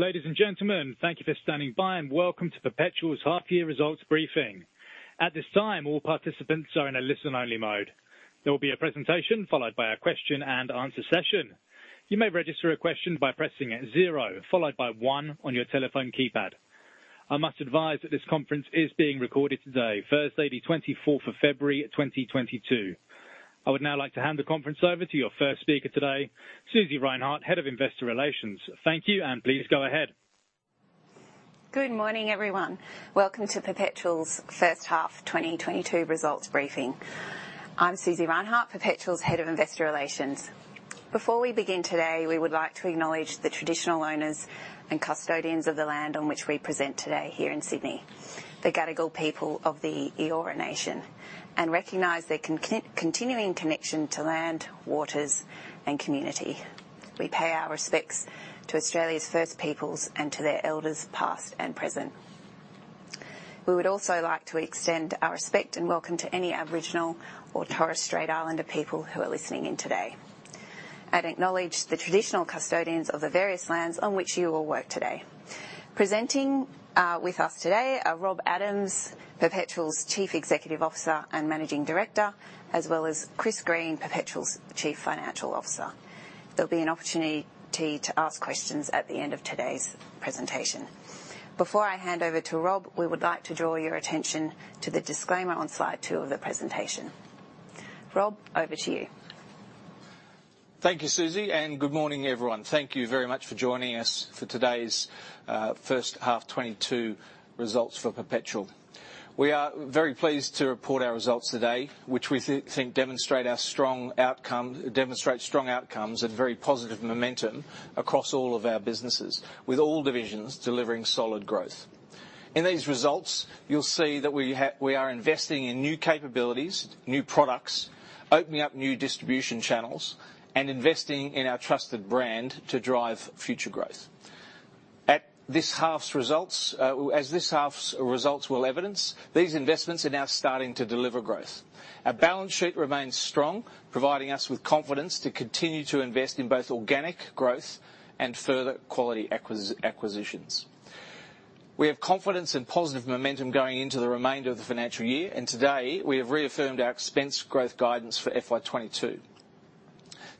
Ladies and gentlemen, thank you for standing by and welcome to Perpetual's half year results briefing. At this time, all participants are in a listen-only mode. There will be a presentation followed by a question-and-answer session. You may register a question by pressing zero, followed by one on your telephone keypad. I must advise that this conference is being recorded today, Thursday, the twenty-fourth of February, 2022. I would now like to hand the conference over to your first speaker today, Susie Reinhardt, Head of Investor Relations. Thank you, and please go ahead. Good morning, everyone. Welcome to Perpetual's first half 2022 results briefing. I'm Susie Reinhardt, Perpetual's Head of Investor Relations. Before we begin today, we would like to acknowledge the traditional owners and custodians of the land on which we present today here in Sydney, the Gadigal people of the Eora Nation, and recognize their continuing connection to land, waters, and community. We pay our respects to Australia's First Peoples and to their elders, past and present. We would also like to extend our respect and welcome to any Aboriginal or Torres Strait Islander people who are listening in today, and acknowledge the traditional custodians of the various lands on which you all work today. Presenting with us today are Rob Adams, Perpetual's Chief Executive Officer and Managing Director, as well as Chris Green, Perpetual's Chief Financial Officer. There'll be an opportunity to ask questions at the end of today's presentation. Before I hand over to Rob, we would like to draw your attention to the disclaimer on slide two of the presentation. Rob, over to you. Thank you, Susie, and good morning, everyone. Thank you very much for joining us for today's first half 2022 results for Perpetual. We are very pleased to report our results today, which we think demonstrate strong outcomes and very positive momentum across all of our businesses, with all divisions delivering solid growth. In these results, you'll see that we are investing in new capabilities, new products, opening up new distribution channels, and investing in our trusted brand to drive future growth. At this half's results, as this half's results will evidence, these investments are now starting to deliver growth. Our balance sheet remains strong, providing us with confidence to continue to invest in both organic growth and further quality acquisitions. We have confidence in positive momentum going into the remainder of the financial year, and today, we have reaffirmed our expense growth guidance for FY 2022.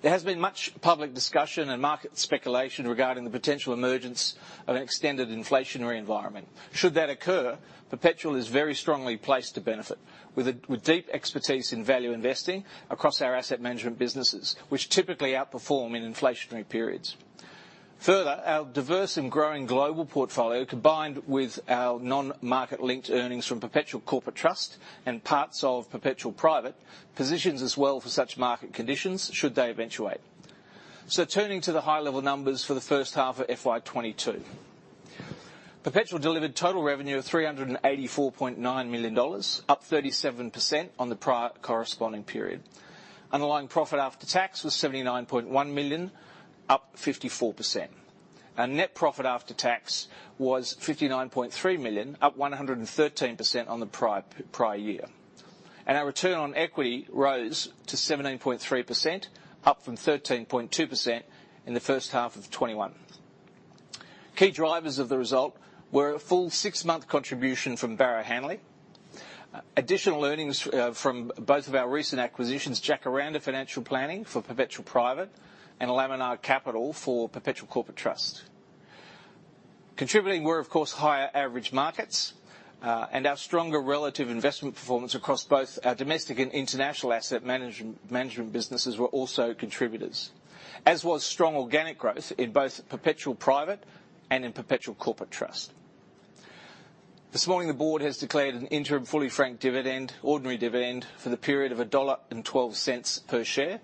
There has been much public discussion and market speculation regarding the potential emergence of an extended inflationary environment. Should that occur, Perpetual is very strongly placed to benefit with deep expertise in value investing across our asset management businesses, which typically outperform in inflationary periods. Further, our diverse and growing global portfolio, combined with our non-market-linked earnings from Perpetual Corporate Trust and parts of Perpetual Private, positions us well for such market conditions should they eventuate. Turning to the high-level numbers for the first half of FY 2022. Perpetual delivered total revenue of 384.9 million dollars, up 37% on the prior corresponding period. Underlying profit after tax was 79.1 million, up 54%. Our net profit after tax was 59.3 million, up 113% on the prior year. Our return on equity rose to 17.3%, up from 13.2% in the first half of 2021. Key drivers of the result were a full six-month contribution from Barrow Hanley, additional earnings from both of our recent acquisitions, Jacaranda Financial Planning for Perpetual Private and Laminar Capital for Perpetual Corporate Trust. Contributing were, of course, higher average markets, and our stronger relative investment performance across both our domestic and international asset management businesses were also contributors, as was strong organic growth in both Perpetual Private and in Perpetual Corporate Trust. This morning, the board has declared an interim fully franked ordinary dividend for the period of 1.12 dollar per share,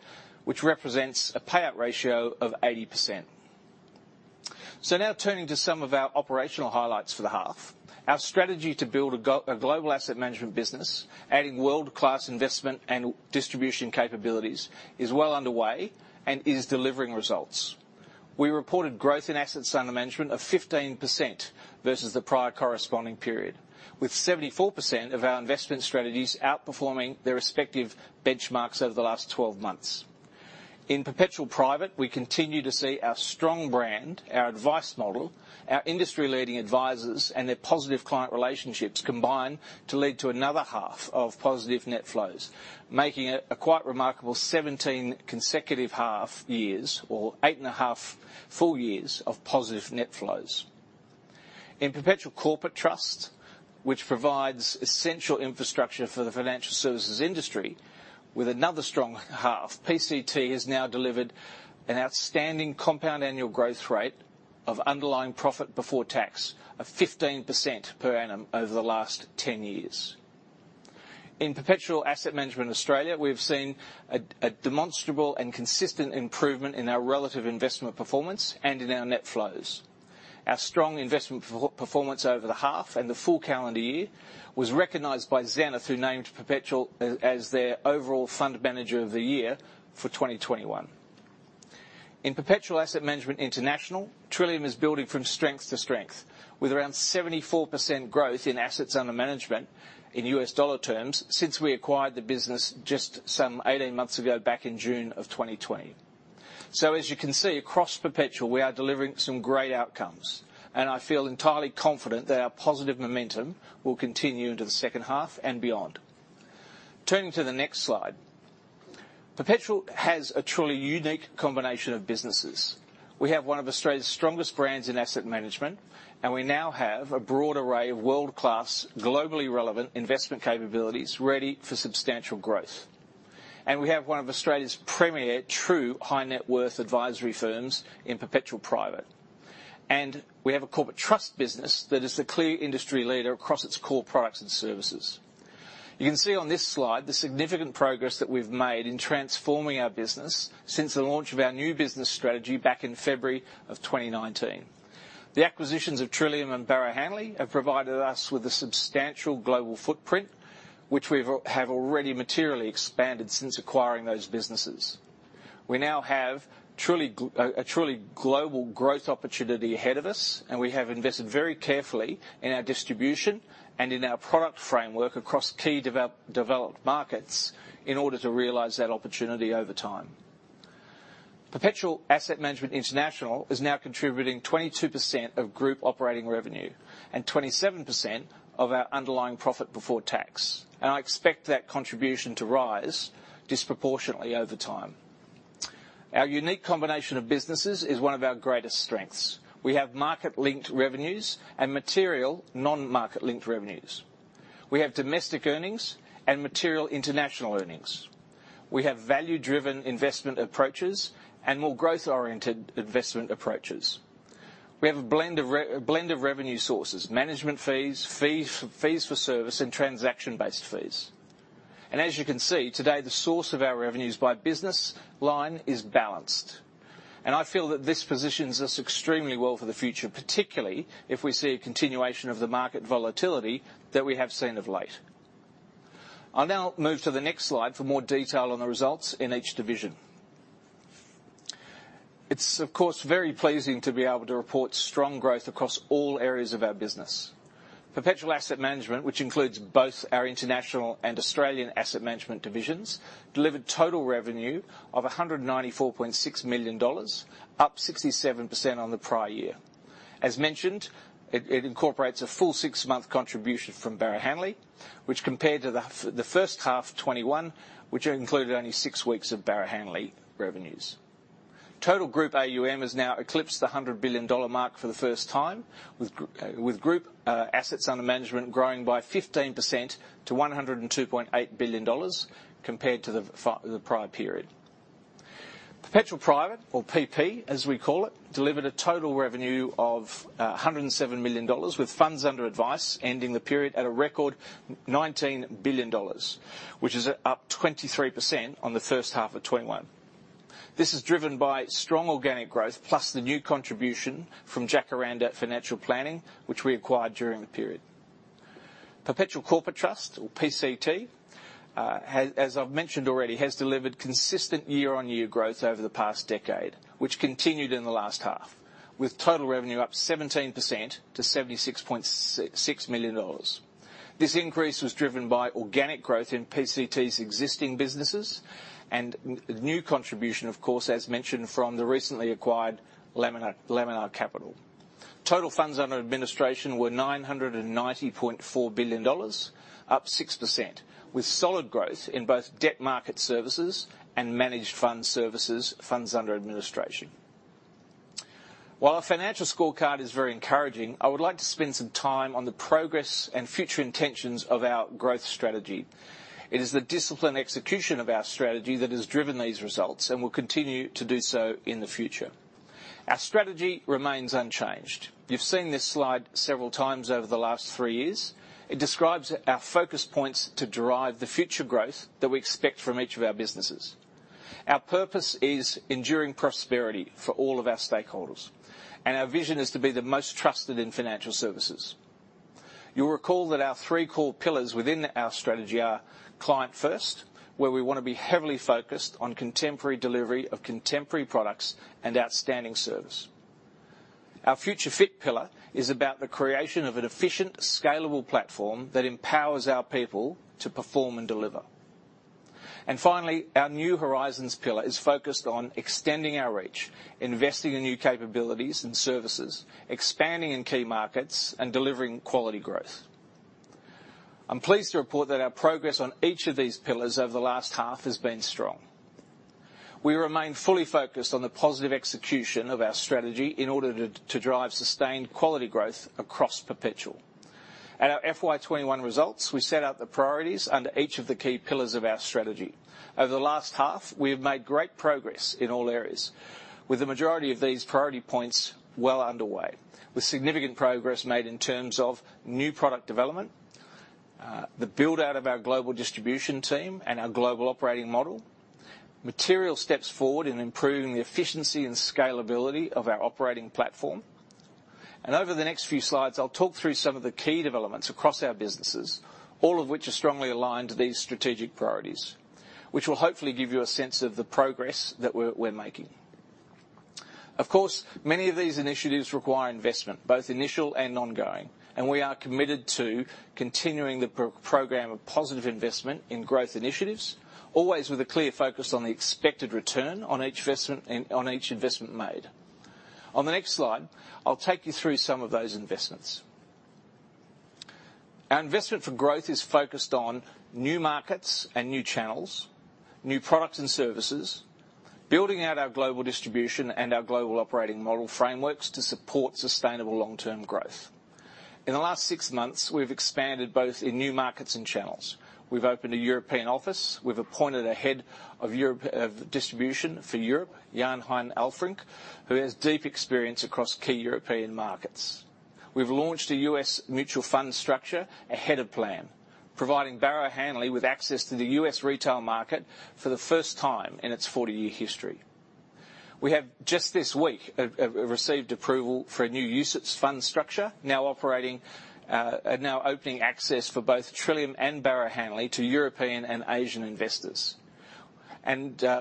which represents a payout ratio of 80%. Now turning to some of our operational highlights for the half. Our strategy to build a global asset management business, adding world-class investment and distribution capabilities, is well underway and is delivering results. We reported growth in assets under management of 15% versus the prior corresponding period, with 74% of our investment strategies outperforming their respective benchmarks over the last 12 months. In Perpetual Private, we continue to see our strong brand, our advice model, our industry-leading advisors, and their positive client relationships combine to lead to another half of positive net flows, making it a quite remarkable 17 consecutive half years or 8.5 full years of positive net flows. In Perpetual Corporate Trust, which provides essential infrastructure for the financial services industry, with another strong half, PCT has now delivered an outstanding compound annual growth rate of underlying profit before tax of 15% per annum over the last 10 years. In Perpetual Asset Management Australia, we've seen a demonstrable and consistent improvement in our relative investment performance and in our net flows. Our strong investment performance over the half and the full calendar year was recognized by Zenith, who named Perpetual as their overall fund manager of the year for 2021. In Perpetual Asset Management International, Trillium is building from strength to strength, with around 74% growth in assets under management in US dollar terms since we acquired the business just some 18 months ago back in June 2020. As you can see, across Perpetual, we are delivering some great outcomes, and I feel entirely confident that our positive momentum will continue into the second half and beyond. Turning to the next slide. Perpetual has a truly unique combination of businesses. We have one of Australia's strongest brands in asset management, and we now have a broad array of world-class, globally relevant investment capabilities ready for substantial growth. We have one of Australia's premier true high net worth advisory firms in Perpetual Private. We have a corporate trust business that is the clear industry leader across its core products and services. You can see on this slide the significant progress that we've made in transforming our business since the launch of our new business strategy back in February of 2019. The acquisitions of Trillium and Barrow Hanley have provided us with a substantial global footprint, which we have already materially expanded since acquiring those businesses. We now have a truly global growth opportunity ahead of us, and we have invested very carefully in our distribution and in our product framework across key developed markets in order to realize that opportunity over time. Perpetual Asset Management International is now contributing 22% of group operating revenue and 27% of our underlying profit before tax. I expect that contribution to rise disproportionately over time. Our unique combination of businesses is one of our greatest strengths. We have market-linked revenues and material non-market-linked revenues. We have domestic earnings and material international earnings. We have value-driven investment approaches and more growth-oriented investment approaches. We have a blend of revenue sources, management fees for service, and transaction-based fees. As you can see, today the source of our revenues by business line is balanced. I feel that this positions us extremely well for the future, particularly if we see a continuation of the market volatility that we have seen of late. I'll now move to the next slide for more detail on the results in each division. It's of course very pleasing to be able to report strong growth across all areas of our business. Perpetual Asset Management, which includes both our international and Australian asset management divisions, delivered total revenue of 194.6 million dollars, up 67% on the prior year. As mentioned, it incorporates a full six-month contribution from Barrow Hanley, which, compared to the first half of 2021, only included six weeks of Barrow Hanley revenues. Total group AUM has now eclipsed the 100 billion dollar mark for the first time, with group assets under management growing by 15% to 102.8 billion dollars compared to the prior period. Perpetual Private, or PP, as we call it, delivered a total revenue of 107 million dollars, with funds under advice ending the period at a record 19 billion dollars, which is up 23% on the first half of 2021. This is driven by strong organic growth, plus the new contribution from Jacaranda Financial Planning, which we acquired during the period. Perpetual Corporate Trust, or PCT, has, as I've mentioned already, delivered consistent year-on-year growth over the past decade, which continued in the last half, with total revenue up 17% to 76.6 million dollars. This increase was driven by organic growth in PCT's existing businesses and new contribution, of course, as mentioned, from the recently acquired Laminar Capital. Total funds under administration were 990.4 billion dollars, up 6%, with solid growth in both debt market services and managed fund services, funds under administration. While our financial scorecard is very encouraging, I would like to spend some time on the progress and future intentions of our growth strategy. It is the disciplined execution of our strategy that has driven these results and will continue to do so in the future. Our strategy remains unchanged. You've seen this slide several times over the last three years. It describes our focus points to derive the future growth that we expect from each of our businesses. Our purpose is enduring prosperity for all of our stakeholders, and our vision is to be the most trusted in financial services. You'll recall that our three core pillars within our strategy are client first, where we wanna be heavily focused on contemporary delivery of contemporary products and outstanding service. Our future fit pillar is about the creation of an efficient, scalable platform that empowers our people to perform and deliver. Finally, our new horizons pillar is focused on extending our reach, investing in new capabilities and services, expanding in key markets, and delivering quality growth. I'm pleased to report that our progress on each of these pillars over the last half has been strong. We remain fully focused on the positive execution of our strategy in order to drive sustained quality growth across Perpetual. At our FY 2021 results, we set out the priorities under each of the key pillars of our strategy. Over the last half, we have made great progress in all areas, with the majority of these priority points well underway, with significant progress made in terms of new product development, the build-out of our global distribution team and our global operating model, material steps forward in improving the efficiency and scalability of our operating platform. Over the next few slides, I'll talk through some of the key developments across our businesses, all of which are strongly aligned to these strategic priorities, which will hopefully give you a sense of the progress that we're making. Of course, many of these initiatives require investment, both initial and ongoing, and we are committed to continuing the program of positive investment in growth initiatives, always with a clear focus on the expected return on each investment and on each investment made. On the next slide, I'll take you through some of those investments. Our investment for growth is focused on new markets and new channels, new products and services, building out our global distribution and our global operating model frameworks to support sustainable long-term growth. In the last six months, we've expanded both in new markets and channels. We've opened a European office. We've appointed a head of Europe of distribution for Europe, Jan-Hein Alfrink, who has deep experience across key European markets. We've launched a U.S. mutual fund structure ahead of plan, providing Barrow Hanley with access to the U.S. retail market for the first time in its 40-year history. We have just this week received approval for a new UCITS fund structure, now opening access for both Trillium and Barrow Hanley to European and Asian investors.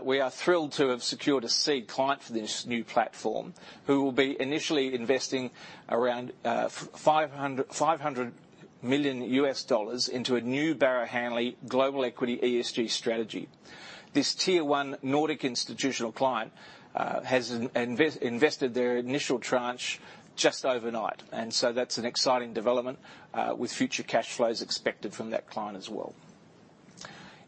We are thrilled to have secured a seed client for this new platform, who will be initially investing around $500 million into a new Barrow Hanley global equity ESG strategy. This tier one Nordic institutional client has invested their initial tranche just overnight, and that's an exciting development with future cash flows expected from that client as well.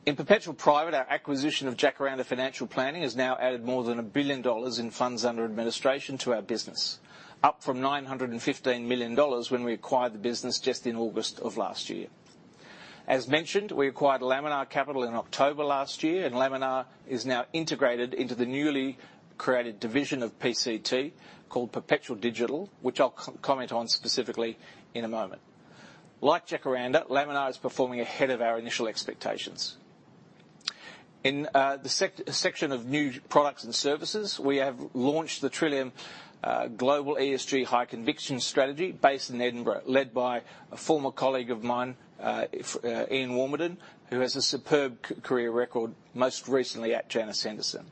In Perpetual Private, our acquisition of Jacaranda Financial Planning has now added more than 1 billion dollars in funds under administration to our business, up from 915 million dollars when we acquired the business just in August of last year. As mentioned, we acquired Laminar Capital in October last year, and Laminar is now integrated into the newly created division of PCT called Perpetual Digital, which I'll comment on specifically in a moment. Like Jacaranda, Laminar is performing ahead of our initial expectations. In the section of new products and services, we have launched the Trillium ESG Global Conviction Strategy based in Edinburgh, led by a former colleague of mine, Ian Warmerdam, who has a superb career record, most recently at Janus Henderson.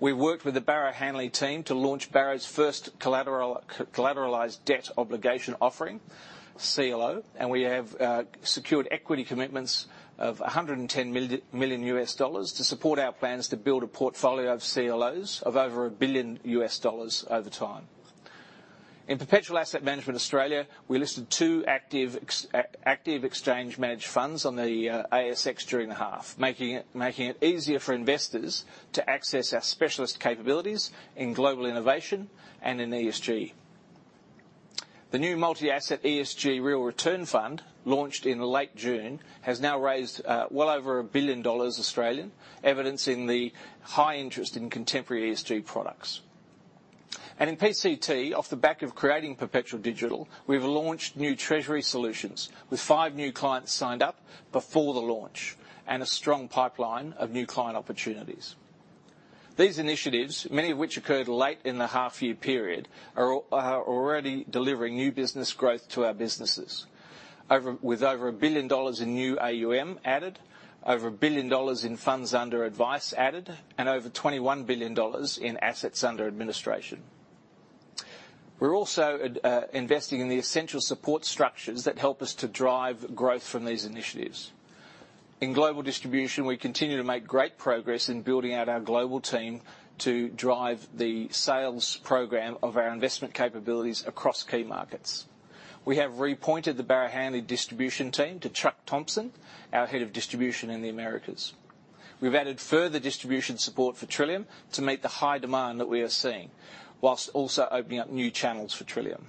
We worked with the Barrow Hanley team to launch Barrow's first collateralized debt obligation offering, CLO, and we have secured equity commitments of $110 million to support our plans to build a portfolio of CLOs of over $1 billion over time. In Perpetual Asset Management Australia, we listed 2 active exchange managed funds on the ASX during the half, making it easier for investors to access our specialist capabilities in global innovation and in ESG. The new Multi Asset ESG Real Return Fund, launched in late June, has now raised well over 1 billion dollars, evidencing the high interest in contemporary ESG products. In PCT, off the back of creating Perpetual Digital, we've launched new treasury solutions with five new clients signed up before the launch and a strong pipeline of new client opportunities. These initiatives, many of which occurred late in the half-year period, are already delivering new business growth to our businesses. With over 1 billion dollars in new AUM added, over 1 billion dollars in funds under administration added, and over 21 billion dollars in assets under administration. We're also investing in the essential support structures that help us to drive growth from these initiatives. In global distribution, we continue to make great progress in building out our global team to drive the sales program of our investment capabilities across key markets. We have reappointed the Barrow Hanley distribution team to Chuck Thompson, our Head of Distribution in the Americas. We've added further distribution support for Trillium to meet the high demand that we are seeing, while also opening up new channels for Trillium.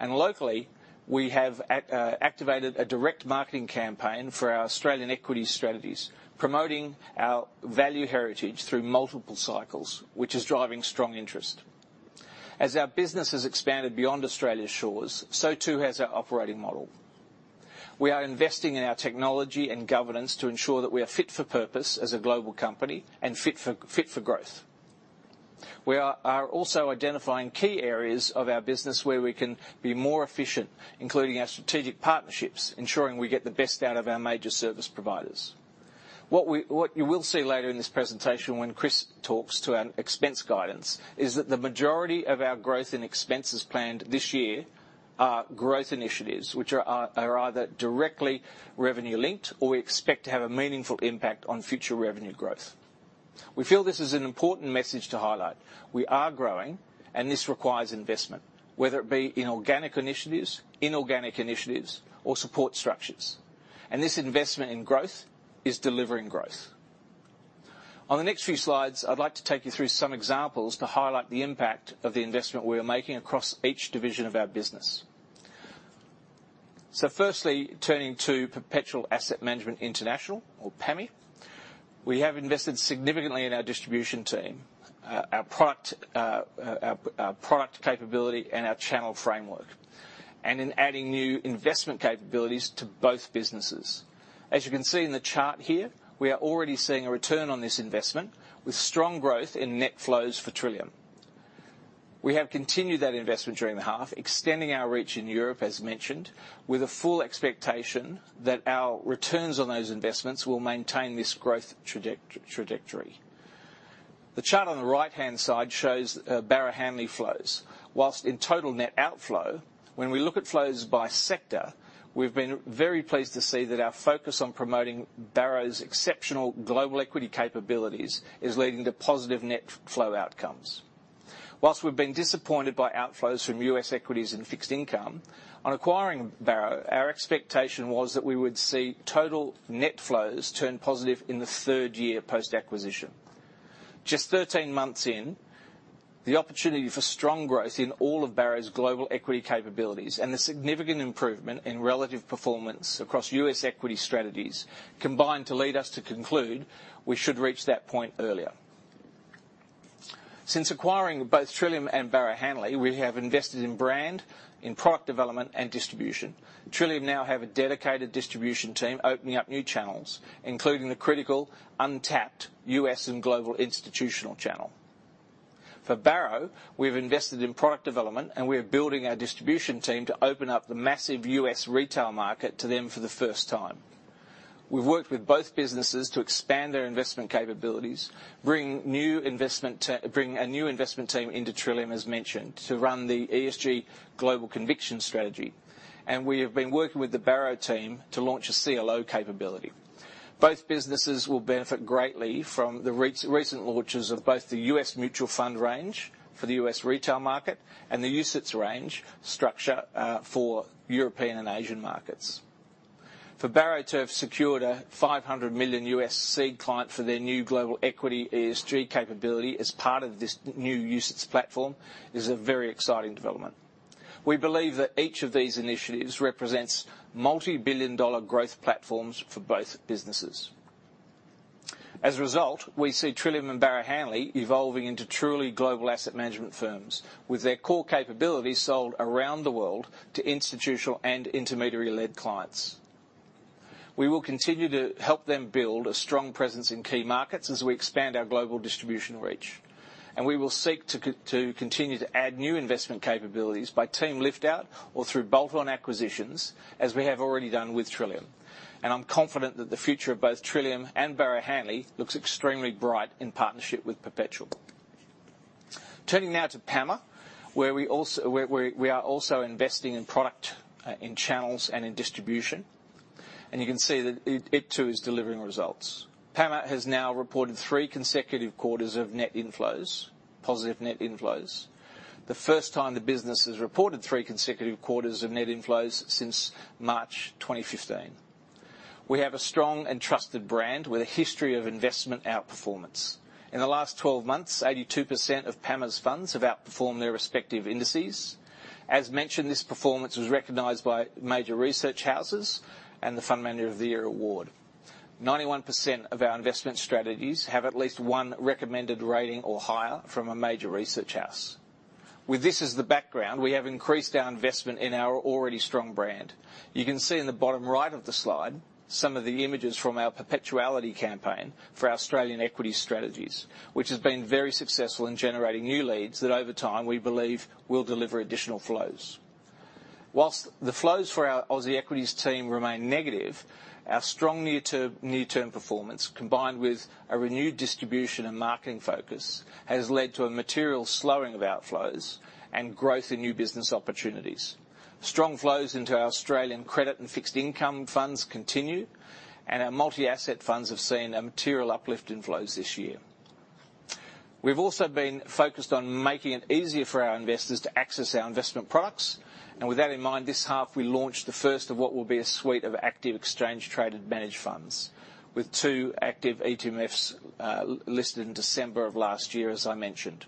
Locally, we have activated a direct marketing campaign for our Australian equity strategies, promoting our value heritage through multiple cycles, which is driving strong interest. As our business has expanded beyond Australia's shores, so too has our operating model. We are investing in our technology and governance to ensure that we are fit for purpose as a global company and fit for growth. We are also identifying key areas of our business where we can be more efficient, including our strategic partnerships, ensuring we get the best out of our major service providers. What you will see later in this presentation when Chris talks to our expense guidance is that the majority of our growth and expenses planned this year are growth initiatives, which are either directly revenue linked or we expect to have a meaningful impact on future revenue growth. We feel this is an important message to highlight. We are growing, and this requires investment, whether it be in organic initiatives, inorganic initiatives, or support structures. This investment in growth is delivering growth. On the next few slides, I'd like to take you through some examples to highlight the impact of the investment we are making across each division of our business. First, turning to Perpetual Asset Management International, or PAMI, we have invested significantly in our distribution team, our product capability and our channel framework, and in adding new investment capabilities to both businesses. As you can see in the chart here, we are already seeing a return on this investment with strong growth in net flows for Trillium. We have continued that investment during the half, extending our reach in Europe, as mentioned, with a full expectation that our returns on those investments will maintain this growth trajectory. The chart on the right-hand side shows Barrow Hanley flows. While in total net outflow, when we look at flows by sector, we've been very pleased to see that our focus on promoting Barrow's exceptional global equity capabilities is leading to positive net flow outcomes. While we've been disappointed by outflows from U.S. equities and fixed income, on acquiring Barrow, our expectation was that we would see total net flows turn positive in the third year post-acquisition. Just 13 months in, the opportunity for strong growth in all of Barrow's global equity capabilities and the significant improvement in relative performance across U.S. equity strategies combined to lead us to conclude we should reach that point earlier. Since acquiring both Trillium and Barrow Hanley, we have invested in brand, in product development, and distribution. Trillium now have a dedicated distribution team opening up new channels, including the critical untapped U.S. and global institutional channel. For Barrow, we've invested in product development, and we are building our distribution team to open up the massive U.S. retail market to them for the first time. We've worked with both businesses to expand their investment capabilities, bring a new investment team into Trillium, as mentioned, to run the ESG Global Conviction strategy. We have been working with the Barrow team to launch a CLO capability. Both businesses will benefit greatly from the recent launches of both the U.S. mutual fund range for the U.S. retail market and the UCITS range structure for European and Asian markets. For Barrow to have secured a $500 million US seed client for their new global equity ESG capability as part of this new UCITS platform is a very exciting development. We believe that each of these initiatives represents multi-billion-dollar growth platforms for both businesses. As a result, we see Trillium and Barrow Hanley evolving into truly global asset management firms, with their core capabilities sold around the world to institutional and intermediary-led clients. We will continue to help them build a strong presence in key markets as we expand our global distribution reach. We will seek to continue to add new investment capabilities by team lift-out or through bolt-on acquisitions, as we have already done with Trillium. I'm confident that the future of both Trillium and Barrow Hanley looks extremely bright in partnership with Perpetual. Turning now to PAMA, where we are also investing in product, in channels, and in distribution. You can see that it too is delivering results. PAMA has now reported three consecutive quarters of net inflows, positive net inflows. The first time the business has reported three consecutive quarters of net inflows since March 2015. We have a strong and trusted brand with a history of investment outperformance. In the last 12 months, 82% of PAMA's funds have outperformed their respective indices. As mentioned, this performance was recognized by major research houses and the Fund Manager of the Year award. 91% of our investment strategies have at least one recommended rating or higher from a major research house. With this as the background, we have increased our investment in our already strong brand. You can see in the bottom right of the slide some of the images from our Perpetuity campaign for our Australian equity strategies, which has been very successful in generating new leads that over time we believe will deliver additional flows. While the flows for our Aussie equities team remain negative, our strong near-term performance, combined with a renewed distribution and marketing focus, has led to a material slowing of outflows and growth in new business opportunities. Strong flows into our Australian credit and fixed income funds continue, and our multi-asset funds have seen a material uplift in flows this year. We've also been focused on making it easier for our investors to access our investment products. With that in mind, this half we launched the first of what will be a suite of active exchange-traded managed funds, with two active ETFs listed in December of last year, as I mentioned.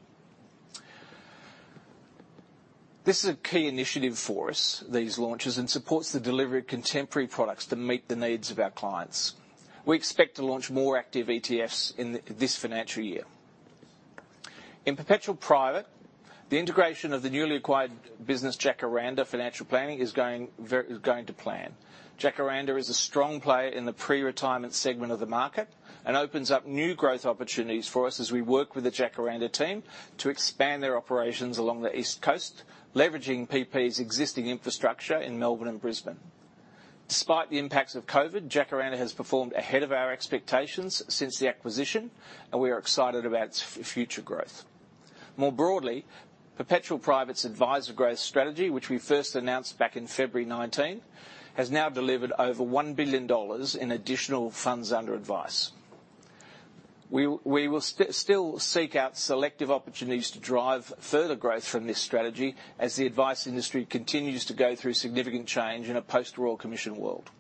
This is a key initiative for us, these launches, and supports the delivery of contemporary products that meet the needs of our clients. We expect to launch more active ETFs in this financial year. In Perpetual Private, the integration of the newly acquired business Jacaranda Financial Planning is going to plan. Jacaranda is a strong player in the pre-retirement segment of the market and opens up new growth opportunities for us as we work with the Jacaranda team to expand their operations along the East Coast, leveraging PP's existing infrastructure in Melbourne and Brisbane. Despite the impacts of COVID, Jacaranda has performed ahead of our expectations since the acquisition, and we are excited about its future growth. More broadly, Perpetual Private's advisor growth strategy, which we first announced back in February 2019, has now delivered over 1 billion dollars in additional funds under advice. We will still seek out selective opportunities to drive further growth from this strategy as the advice industry continues to go through significant change in a post-Royal Commission world.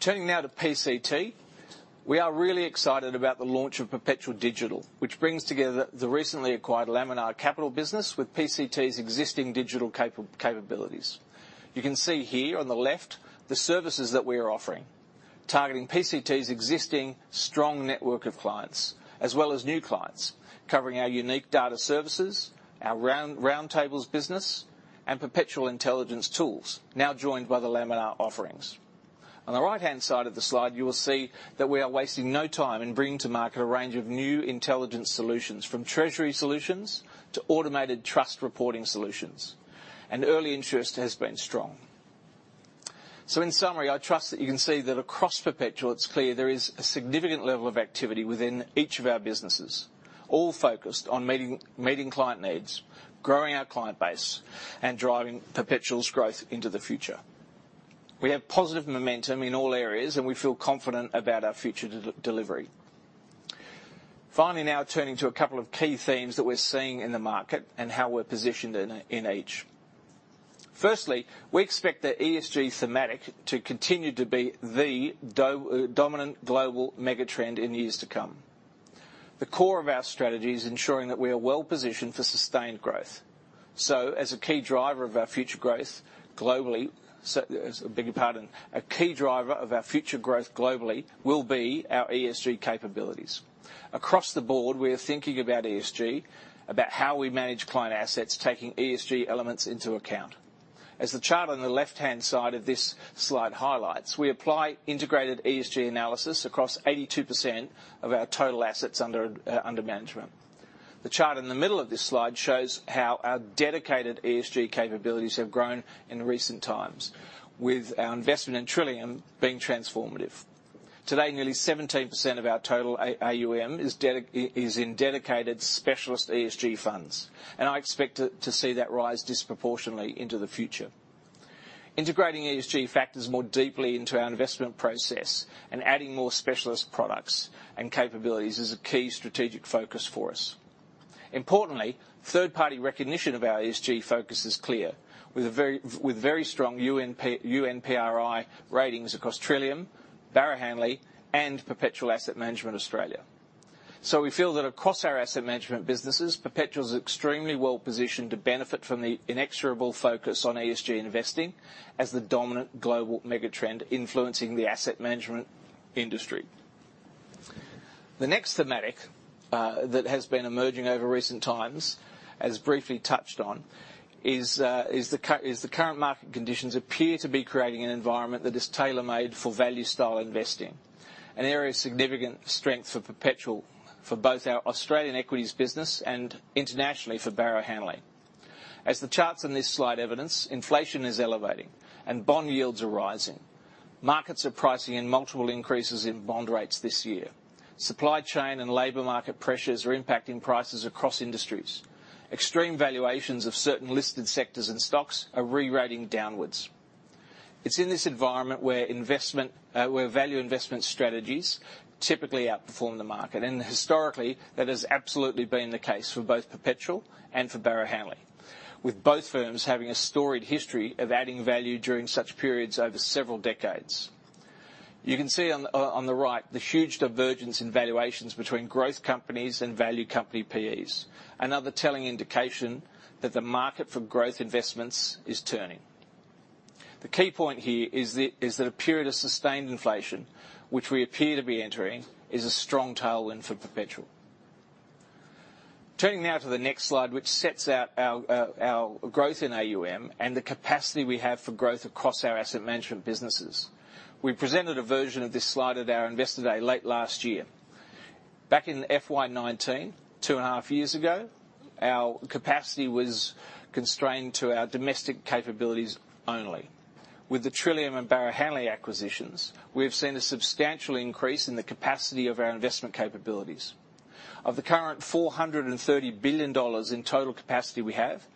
Turning now to PCT. We are really excited about the launch of Perpetual Digital, which brings together the recently acquired Laminar Capital business with PCT's existing digital capabilities. You can see here on the left the services that we are offering, targeting PCT's existing strong network of clients, as well as new clients, covering our unique data services, our Roundtables business, and Perpetual Intelligence tools, now joined by the Laminar offerings. On the right-hand side of the slide, you will see that we are wasting no time in bringing to market a range of new intelligence solutions, from treasury solutions to automated trust reporting solutions. Early interest has been strong. In summary, I trust that you can see that across Perpetual it's clear there is a significant level of activity within each of our businesses, all focused on meeting client needs, growing our client base, and driving Perpetual's growth into the future. We have positive momentum in all areas, and we feel confident about our future delivery. Finally now turning to a couple of key themes that we're seeing in the market and how we're positioned in each. Firstly, we expect the ESG thematic to continue to be the dominant global mega trend in years to come. The core of our strategy is ensuring that we are well-positioned for sustained growth. A key driver of our future growth globally will be our ESG capabilities. Across the board, we are thinking about ESG, about how we manage client assets, taking ESG elements into account. As the chart on the left-hand side of this slide highlights, we apply integrated ESG analysis across 82% of our total assets under management. The chart in the middle of this slide shows how our dedicated ESG capabilities have grown in recent times, with our investment in Trillium being transformative. Today, nearly 17% of our total AUM is in dedicated specialist ESG funds, and I expect to see that rise disproportionately into the future. Integrating ESG factors more deeply into our investment process and adding more specialist products and capabilities is a key strategic focus for us. Importantly, third-party recognition of our ESG focus is clear, with very strong UN PRI ratings across Trillium, Barrow Hanley, and Perpetual Asset Management Australia. We feel that across our asset management businesses, Perpetual is extremely well-positioned to benefit from the inexorable focus on ESG investing as the dominant global mega trend influencing the asset management industry. The next thematic that has been emerging over recent times, as briefly touched on, is that the current market conditions appear to be creating an environment that is tailor-made for value-style investing, an area of significant strength for Perpetual for both our Australian equities business and internationally for Barrow Hanley. As the charts in this slide evidence, inflation is elevating and bond yields are rising. Markets are pricing in multiple increases in bond rates this year. Supply chain and labor market pressures are impacting prices across industries. Extreme valuations of certain listed sectors and stocks are re-rating downwards. It's in this environment where value investment strategies typically outperform the market. Historically, that has absolutely been the case for both Perpetual and for Barrow Hanley, with both firms having a storied history of adding value during such periods over several decades. You can see on the right the huge divergence in valuations between growth companies and value company PEs, another telling indication that the market for growth investments is turning. The key point here is that a period of sustained inflation, which we appear to be entering, is a strong tailwind for Perpetual. Turning now to the next slide, which sets out our growth in AUM and the capacity we have for growth across our asset management businesses. We presented a version of this slide at our Investor Day late last year. Back in FY 2019, two and a half years ago, our capacity was constrained to our domestic capabilities only. With the Trillium and Barrow Hanley acquisitions, we have seen a substantial increase in the capacity of our investment capabilities. Of the current 430 billion dollars in total capacity we have,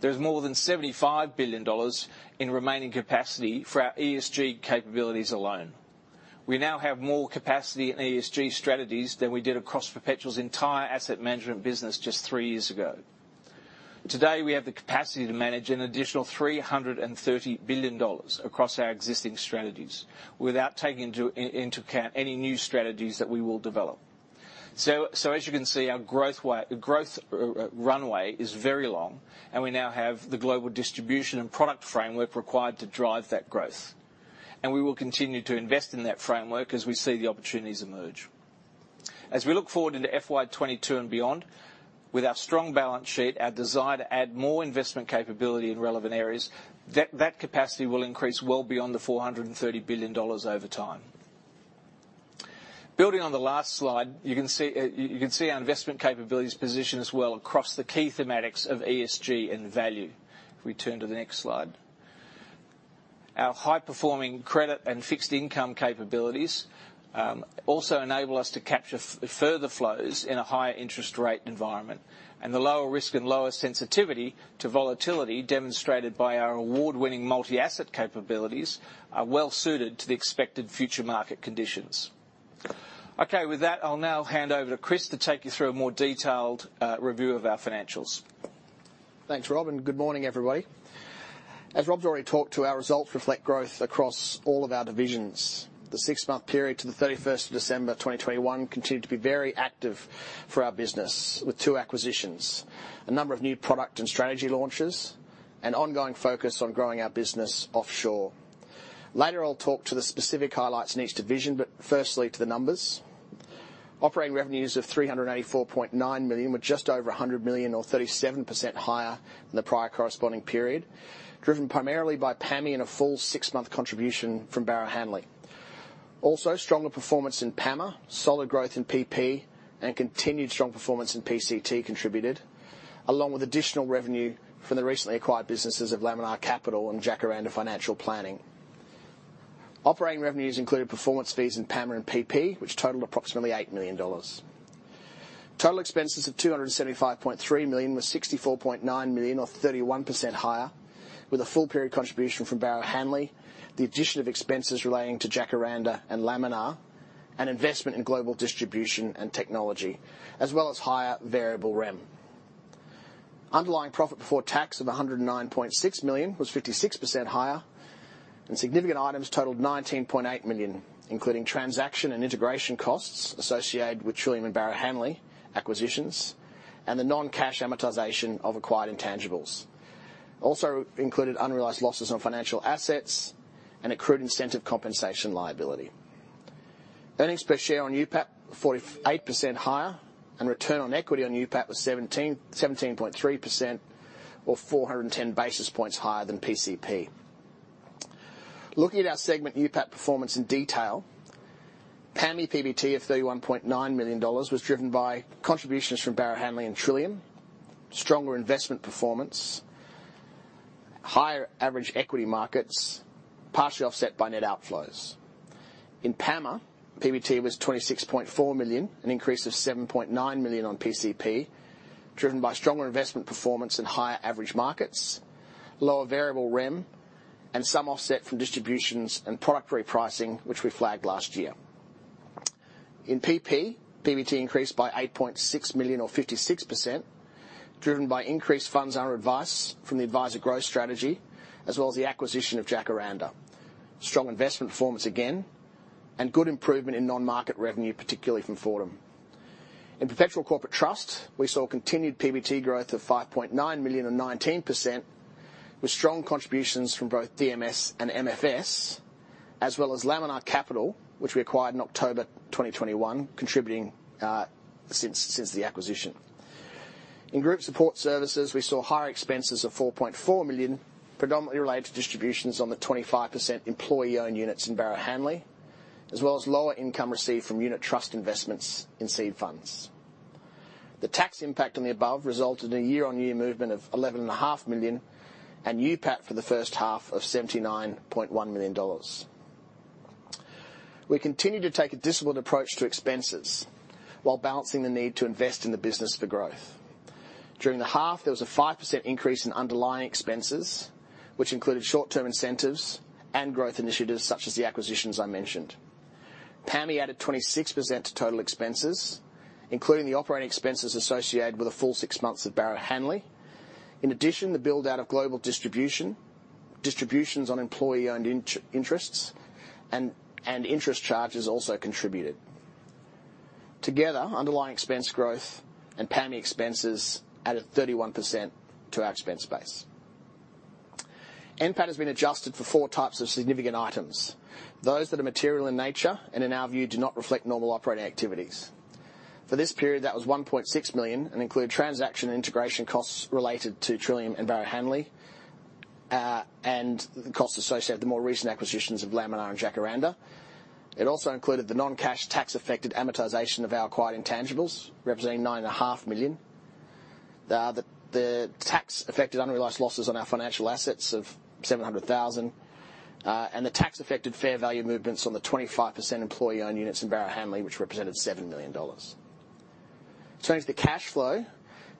there's more than 75 billion dollars in remaining capacity for our ESG capabilities alone. We now have more capacity in ESG strategies than we did across Perpetual's entire asset management business just three years ago. Today, we have the capacity to manage an additional 330 billion dollars across our existing strategies without taking into account any new strategies that we will develop. So as you can see, our growth runway is very long, and we now have the global distribution and product framework required to drive that growth. We will continue to invest in that framework as we see the opportunities emerge. As we look forward into FY 2022 and beyond, with our strong balance sheet, our desire to add more investment capability in relevant areas, that capacity will increase well beyond 430 billion dollars over time. Building on the last slide, you can see our investment capabilities position as well across the key thematics of ESG and value. If we turn to the next slide. Our high-performing credit and fixed income capabilities also enable us to capture further flows in a higher interest rate environment. The lower risk and lower sensitivity to volatility demonstrated by our award-winning multi-asset capabilities are well suited to the expected future market conditions. Okay, with that, I'll now hand over to Chris to take you through a more detailed review of our financials. Thanks, Rob, and good morning, everybody. As Rob's already talked to, our results reflect growth across all of our divisions. The six-month period to the 31st of December, 2021 continued to be very active for our business, with two acquisitions, a number of new product and strategy launches, and ongoing focus on growing our business offshore. Later, I'll talk to the specific highlights in each division, but firstly to the numbers. Operating revenues of 384.9 million were just over 100 million or 37% higher than the prior corresponding period, driven primarily by PAMI and a full six-month contribution from Barrow Hanley. Also, stronger performance in PAMA, solid growth in PP, and continued strong performance in PCT contributed, along with additional revenue from the recently acquired businesses of Laminar Capital and Jacaranda Financial Planning. Operating revenues included performance fees in PAMA and PP, which totaled approximately 8 million dollars. Total expenses of 275.3 million was 64.9 million or 31% higher, with a full period contribution from Barrow Hanley, the addition of expenses relating to Jacaranda and Laminar, and investment in global distribution and technology, as well as higher variable REM. Underlying profit before tax of 109.6 million was 56% higher, and significant items totaled 19.8 million, including transaction and integration costs associated with Trillium and Barrow Hanley acquisitions and the non-cash amortization of acquired intangibles, also included unrealized losses on financial assets and accrued incentive compensation liability. Earnings per share on UPAT were 48% higher, and return on equity on UPAT was 17.3% or 410 basis points higher than PCP. Looking at our segment UPAT performance in detail, PAMI PBT of AUD 31.9 million was driven by contributions from Barrow Hanley and Trillium, stronger investment performance, higher average equity markets, partially offset by net outflows. In PAMA, PBT was 26.4 million, an increase of 7.9 million on PCP, driven by stronger investment performance and higher average markets, lower variable REM, and some offset from distributions and product repricing, which we flagged last year. In PP, PBT increased by 8.6 million or 56%, driven by increased funds on our advice from the advisor growth strategy as well as the acquisition of Jacaranda. Strong investment performance again, and good improvement in non-market revenue, particularly from Fordham. In Perpetual Corporate Trust, we saw continued PBT growth of 5.9 million or 19%, with strong contributions from both DMS and MFS, as well as Laminar Capital, which we acquired in October 2021, contributing since the acquisition. In group support services, we saw higher expenses of 4.4 million, predominantly related to distributions on the 25% employee-owned units in Barrow Hanley, as well as lower income received from unit trust investments in seed funds. The tax impact on the above resulted in a year-on-year movement of 11.5 million and UPAT for the first half of 79.1 million dollars. We continued to take a disciplined approach to expenses while balancing the need to invest in the business for growth. During the half, there was a 5% increase in underlying expenses, which included short-term incentives and growth initiatives such as the acquisitions I mentioned. PAMI added 26% to total expenses, including the operating expenses associated with the full 6 months of Barrow Hanley. In addition, the build-out of global distribution, distributions on employee-owned interests and interest charges also contributed. Together, underlying expense growth and PAMI expenses added 31% to our expense base. NPAT has been adjusted for four types of significant items. Those that are material in nature and, in our view, do not reflect normal operating activities. For this period, that was 1.6 million and include transaction and integration costs related to Trillium and Barrow Hanley, and the costs associated with the more recent acquisitions of Laminar and Jacaranda. It also included the non-cash tax-affected amortization of our acquired intangibles, representing 9.5 million. The tax-affected unrealized losses on our financial assets of 700,000, and the tax-affected fair value movements on the 25% employee-owned units in Barrow Hanley, which represented 7 million dollars. Turning to the cash flow.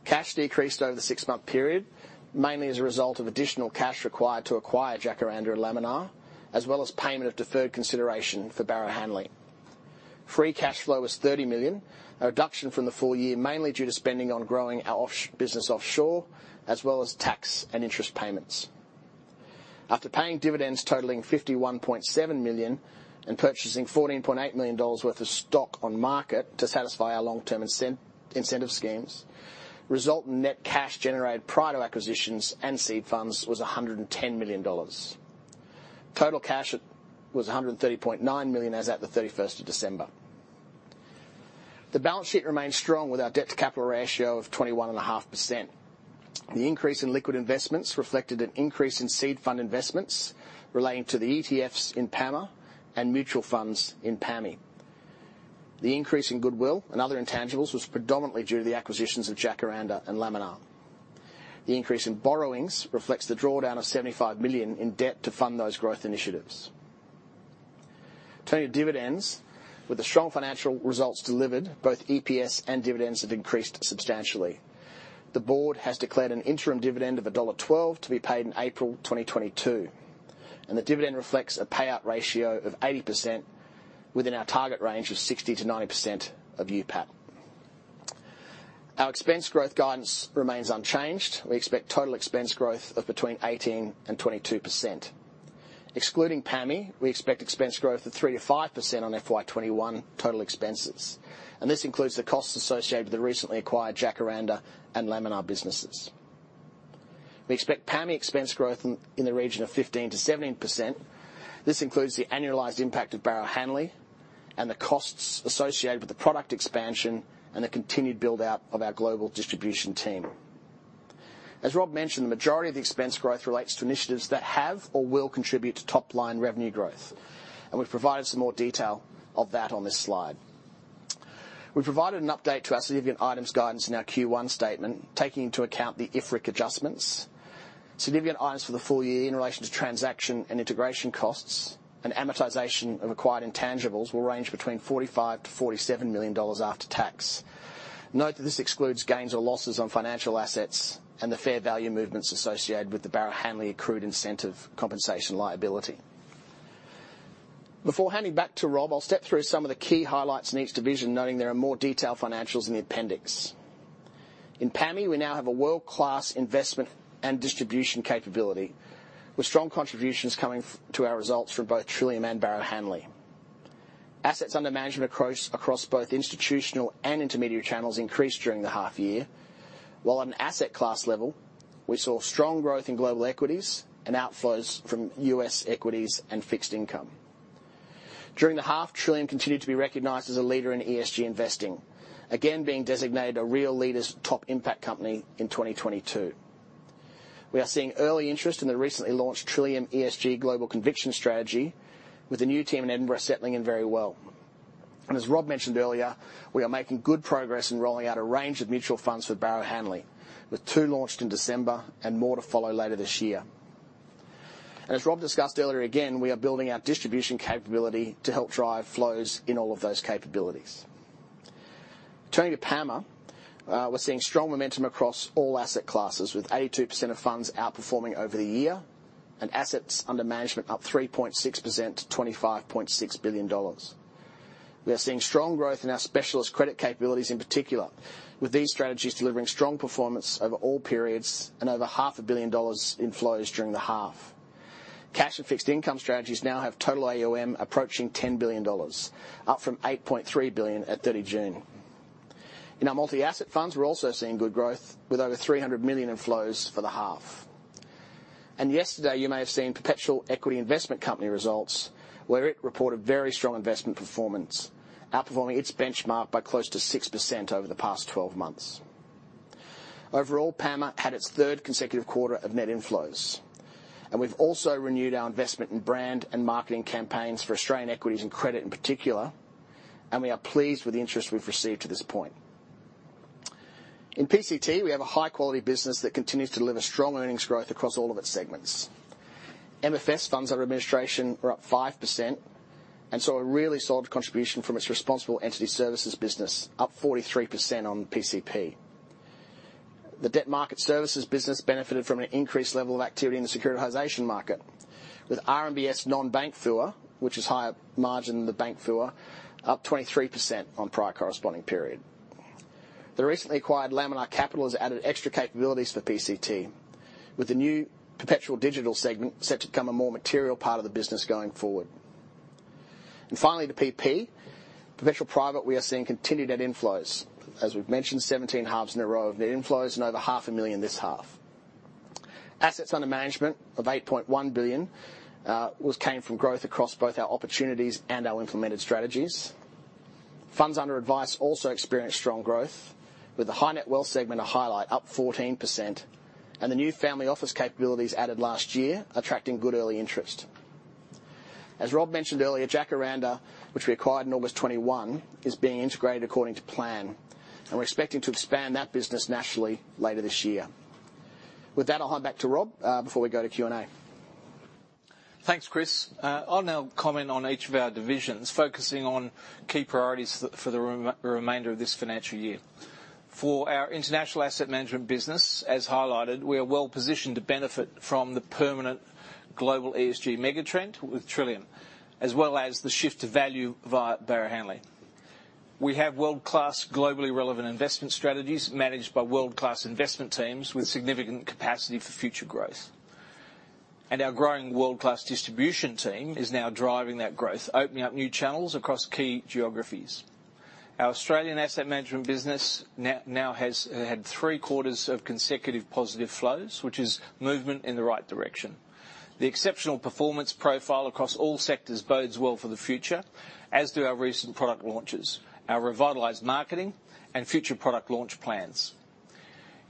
Cash decreased over the six-month period, mainly as a result of additional cash required to acquire Jacaranda and Laminar, as well as payment of deferred consideration for Barrow Hanley. Free cash flow was 30 million, a reduction from the full year, mainly due to spending on growing our offshore business, as well as tax and interest payments. After paying dividends totaling 51.7 million and purchasing 14.8 million dollars worth of stock on market to satisfy our long-term incentive schemes, resulting in net cash generated prior to acquisitions and seed funds was 110 million dollars. Total cash was 130.9 million as at the 31st of December. The balance sheet remains strong with our debt to capital ratio of 21.5%. The increase in liquid investments reflected an increase in seed fund investments relating to the ETFs in PAMA and mutual funds in PAMI. The increase in goodwill and other intangibles was predominantly due to the acquisitions of Jacaranda and Laminar. The increase in borrowings reflects the drawdown of 75 million in debt to fund those growth initiatives. Turning to dividends. With the strong financial results delivered, both EPS and dividends have increased substantially. The board has declared an interim dividend of dollar 1.12 to be paid in April 2022, and the dividend reflects a payout ratio of 80% within our target range of 60%-90% of UPAT. Our expense growth guidance remains unchanged. We expect total expense growth of between 18% and 22%. Excluding PAMI, we expect expense growth of 3%-5% on FY 2021 total expenses, and this includes the costs associated with the recently acquired Jacaranda and Laminar businesses. We expect PAMI expense growth in the region of 15%-17%. This includes the annualized impact of Barrow Hanley and the costs associated with the product expansion and the continued build-out of our global distribution team. As Rob mentioned, the majority of the expense growth relates to initiatives that have or will contribute to top-line revenue growth. We've provided some more detail of that on this slide. We provided an update to our significant items guidance in our Q1 statement, taking into account the IFRIC adjustments. Significant items for the full year in relation to transaction and integration costs and amortization of acquired intangibles will range between 45 million-47 million dollars after tax. Note that this excludes gains or losses on financial assets and the fair value movements associated with the Barrow Hanley accrued incentive compensation liability. Before handing back to Rob, I'll step through some of the key highlights in each division, noting there are more detailed financials in the appendix. In PAMI, we now have a world-class investment and distribution capability, with strong contributions coming to our results from both Trillium and Barrow Hanley. Assets under management across both institutional and intermediate channels increased during the half year. While at an asset class level, we saw strong growth in global equities and outflows from U.S. equities and fixed income. During the half, Trillium continued to be recognized as a leader in ESG investing. Again, being designated a Real Leaders top impact company in 2022. We are seeing early interest in the recently launched Trillium ESG Global Conviction strategy with the new team in Edinburgh settling in very well. As Rob mentioned earlier, we are making good progress in rolling out a range of mutual funds with Barrow Hanley, with two launched in December and more to follow later this year. As Rob discussed earlier, again, we are building our distribution capability to help drive flows in all of those capabilities. Turning to PAMA, we're seeing strong momentum across all asset classes, with 82% of funds outperforming over the year and assets under management up 3.6% to 25.6 billion dollars. We're seeing strong growth in our specialist credit capabilities, in particular, with these strategies delivering strong performance over all periods and over half a billion AUD in flows during the half. Cash and fixed income strategies now have total AUM approaching 10 billion dollars, up from 8.3 billion at 30 June. In our multi-asset funds, we're also seeing good growth, with over 300 million in flows for the half. Yesterday, you may have seen Perpetual Equity Investment Company results, where it reported very strong investment performance, outperforming its benchmark by close to 6% over the past 12 months. Overall, PAMA had its third consecutive quarter of net inflows, and we've also renewed our investment in brand and marketing campaigns for Australian equities and credit in particular, and we are pleased with the interest we've received to this point. In PCT, we have a high-quality business that continues to deliver strong earnings growth across all of its segments. MFS funds under administration are up 5%, and saw a really solid contribution from its responsible entity services business, up 43% on PCP. The debt market services business benefited from an increased level of activity in the securitization market, with RMBS non-bank FUA, which is higher margin than the bank FUA, up 23% on prior corresponding period. The recently acquired Laminar Capital has added extra capabilities for PCT, with the new Perpetual Digital segment set to become a more material part of the business going forward. Finally, to PP, Perpetual Private, we are seeing continued net inflows. As we've mentioned, 17 halves in a row of net inflows and over AUD half a million this half. Assets under management of 8.1 billion came from growth across both our opportunities and our implemented strategies. Funds under advice also experienced strong growth, with the high net wealth segment a highlight, up 14%, and the new family office capabilities added last year attracting good early interest. As Rob mentioned earlier, Jacaranda, which we acquired in August 2021, is being integrated according to plan, and we're expecting to expand that business nationally later this year. With that, I'll hand back to Rob before we go to Q&A. Thanks, Chris. I'll now comment on each of our divisions, focusing on key priorities for the remainder of this financial year. For our international asset management business, as highlighted, we are well-positioned to benefit from the permanent global ESG mega trend with Trillium, as well as the shift to value via Barrow Hanley. We have world-class globally relevant investment strategies managed by world-class investment teams with significant capacity for future growth. Our growing world-class distribution team is now driving that growth, opening up new channels across key geographies. Our Australian asset management business now has had three quarters of consecutive positive flows, which is movement in the right direction. The exceptional performance profile across all sectors bodes well for the future, as do our recent product launches, our revitalized marketing, and future product launch plans.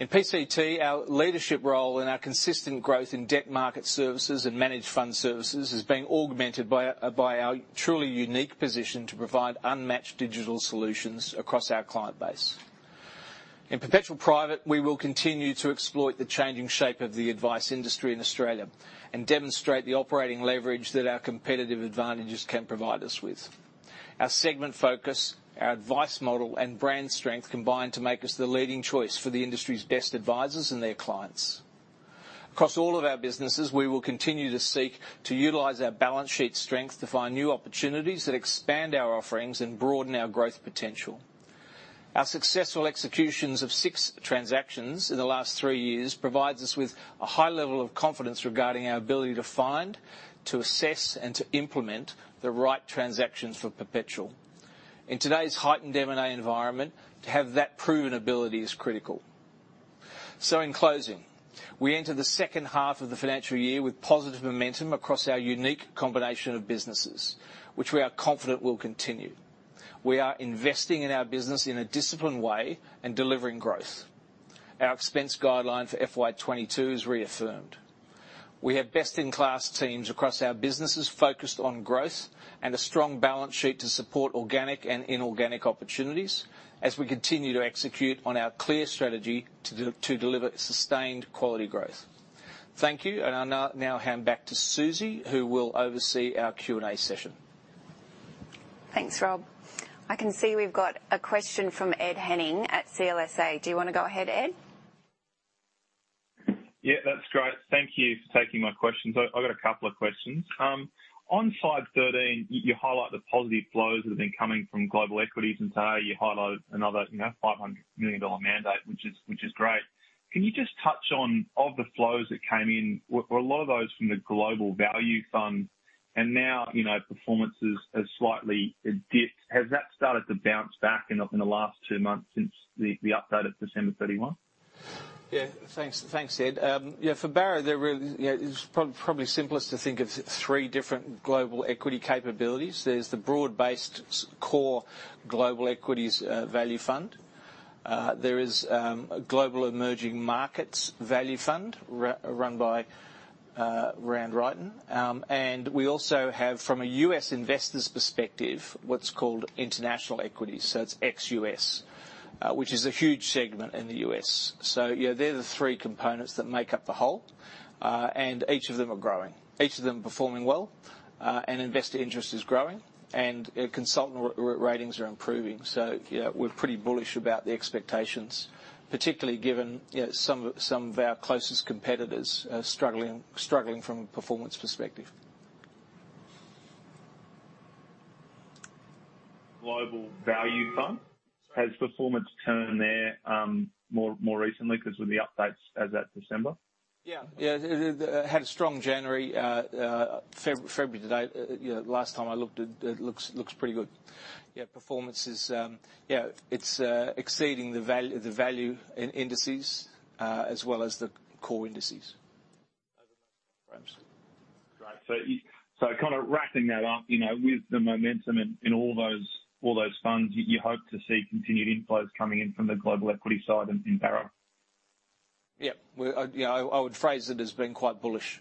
In PCT, our leadership role and our consistent growth in debt market services and managed fund services is being augmented by our truly unique position to provide unmatched digital solutions across our client base. In Perpetual Private, we will continue to exploit the changing shape of the advice industry in Australia and demonstrate the operating leverage that our competitive advantages can provide us with. Our segment focus, our advice model, and brand strength combine to make us the leading choice for the industry's best advisors and their clients. Across all of our businesses, we will continue to seek to utilize our balance sheet strength to find new opportunities that expand our offerings and broaden our growth potential. Our successful executions of six transactions in the last three years provides us with a high level of confidence regarding our ability to find, to assess, and to implement the right transactions for Perpetual. In today's heightened M&A environment, to have that proven ability is critical. In closing, we enter the second half of the financial year with positive momentum across our unique combination of businesses, which we are confident will continue. We are investing in our business in a disciplined way and delivering growth. Our expense guideline for FY 2022 is reaffirmed. We have best-in-class teams across our businesses focused on growth and a strong balance sheet to support organic and inorganic opportunities as we continue to execute on our clear strategy to deliver sustained quality growth. Thank you. I'll now hand back to Susie, who will oversee our Q&A session. Thanks, Rob. I can see we've got a question from Ed Henning at CLSA. Do you wanna go ahead, Ed? Yeah, that's great. Thank you for taking my questions. I got a couple of questions. On slide 13, you highlight the positive flows that have been coming from global equities. Today, you highlight another $500 million mandate, which is great. Can you just touch on, of the flows that came in, were a lot of those from the Global Value Fund? Now, performance has slightly dipped. Has that started to bounce back in the last two months since the update of December 31? Yeah. Thanks, Ed. Yeah, for Barrow, it's probably simplest to think of three different global equity capabilities. There's the broad-based core Global Value Fund. There is a Global Emerging Markets Value Fund run by Rand Wrighton. We also have, from a U.S. investor's perspective, what's called international equities. It's ex-U.S., which is a huge segment in the U.S. Yeah, they're the three components that make up the whole, and each of them are growing. Each of them is performing well, and investor interest is growing, and consultant ratings are improving. Yeah, we're pretty bullish about the expectations, particularly given, you know, some of our closest competitors are struggling from a performance perspective. Global Value Fund, has performance turned there more recently because of the updates as at December? Yeah. It had a strong January. February to date, you know, last time I looked, it looks pretty good. Yeah, performance is, yeah, it's exceeding the value indices as well as the core indices. Right. Kinda wrapping that up, you know, with the momentum in all those funds, you hope to see continued inflows coming in from the global equity side in Barrow? Yeah, I would phrase it as being quite bullish.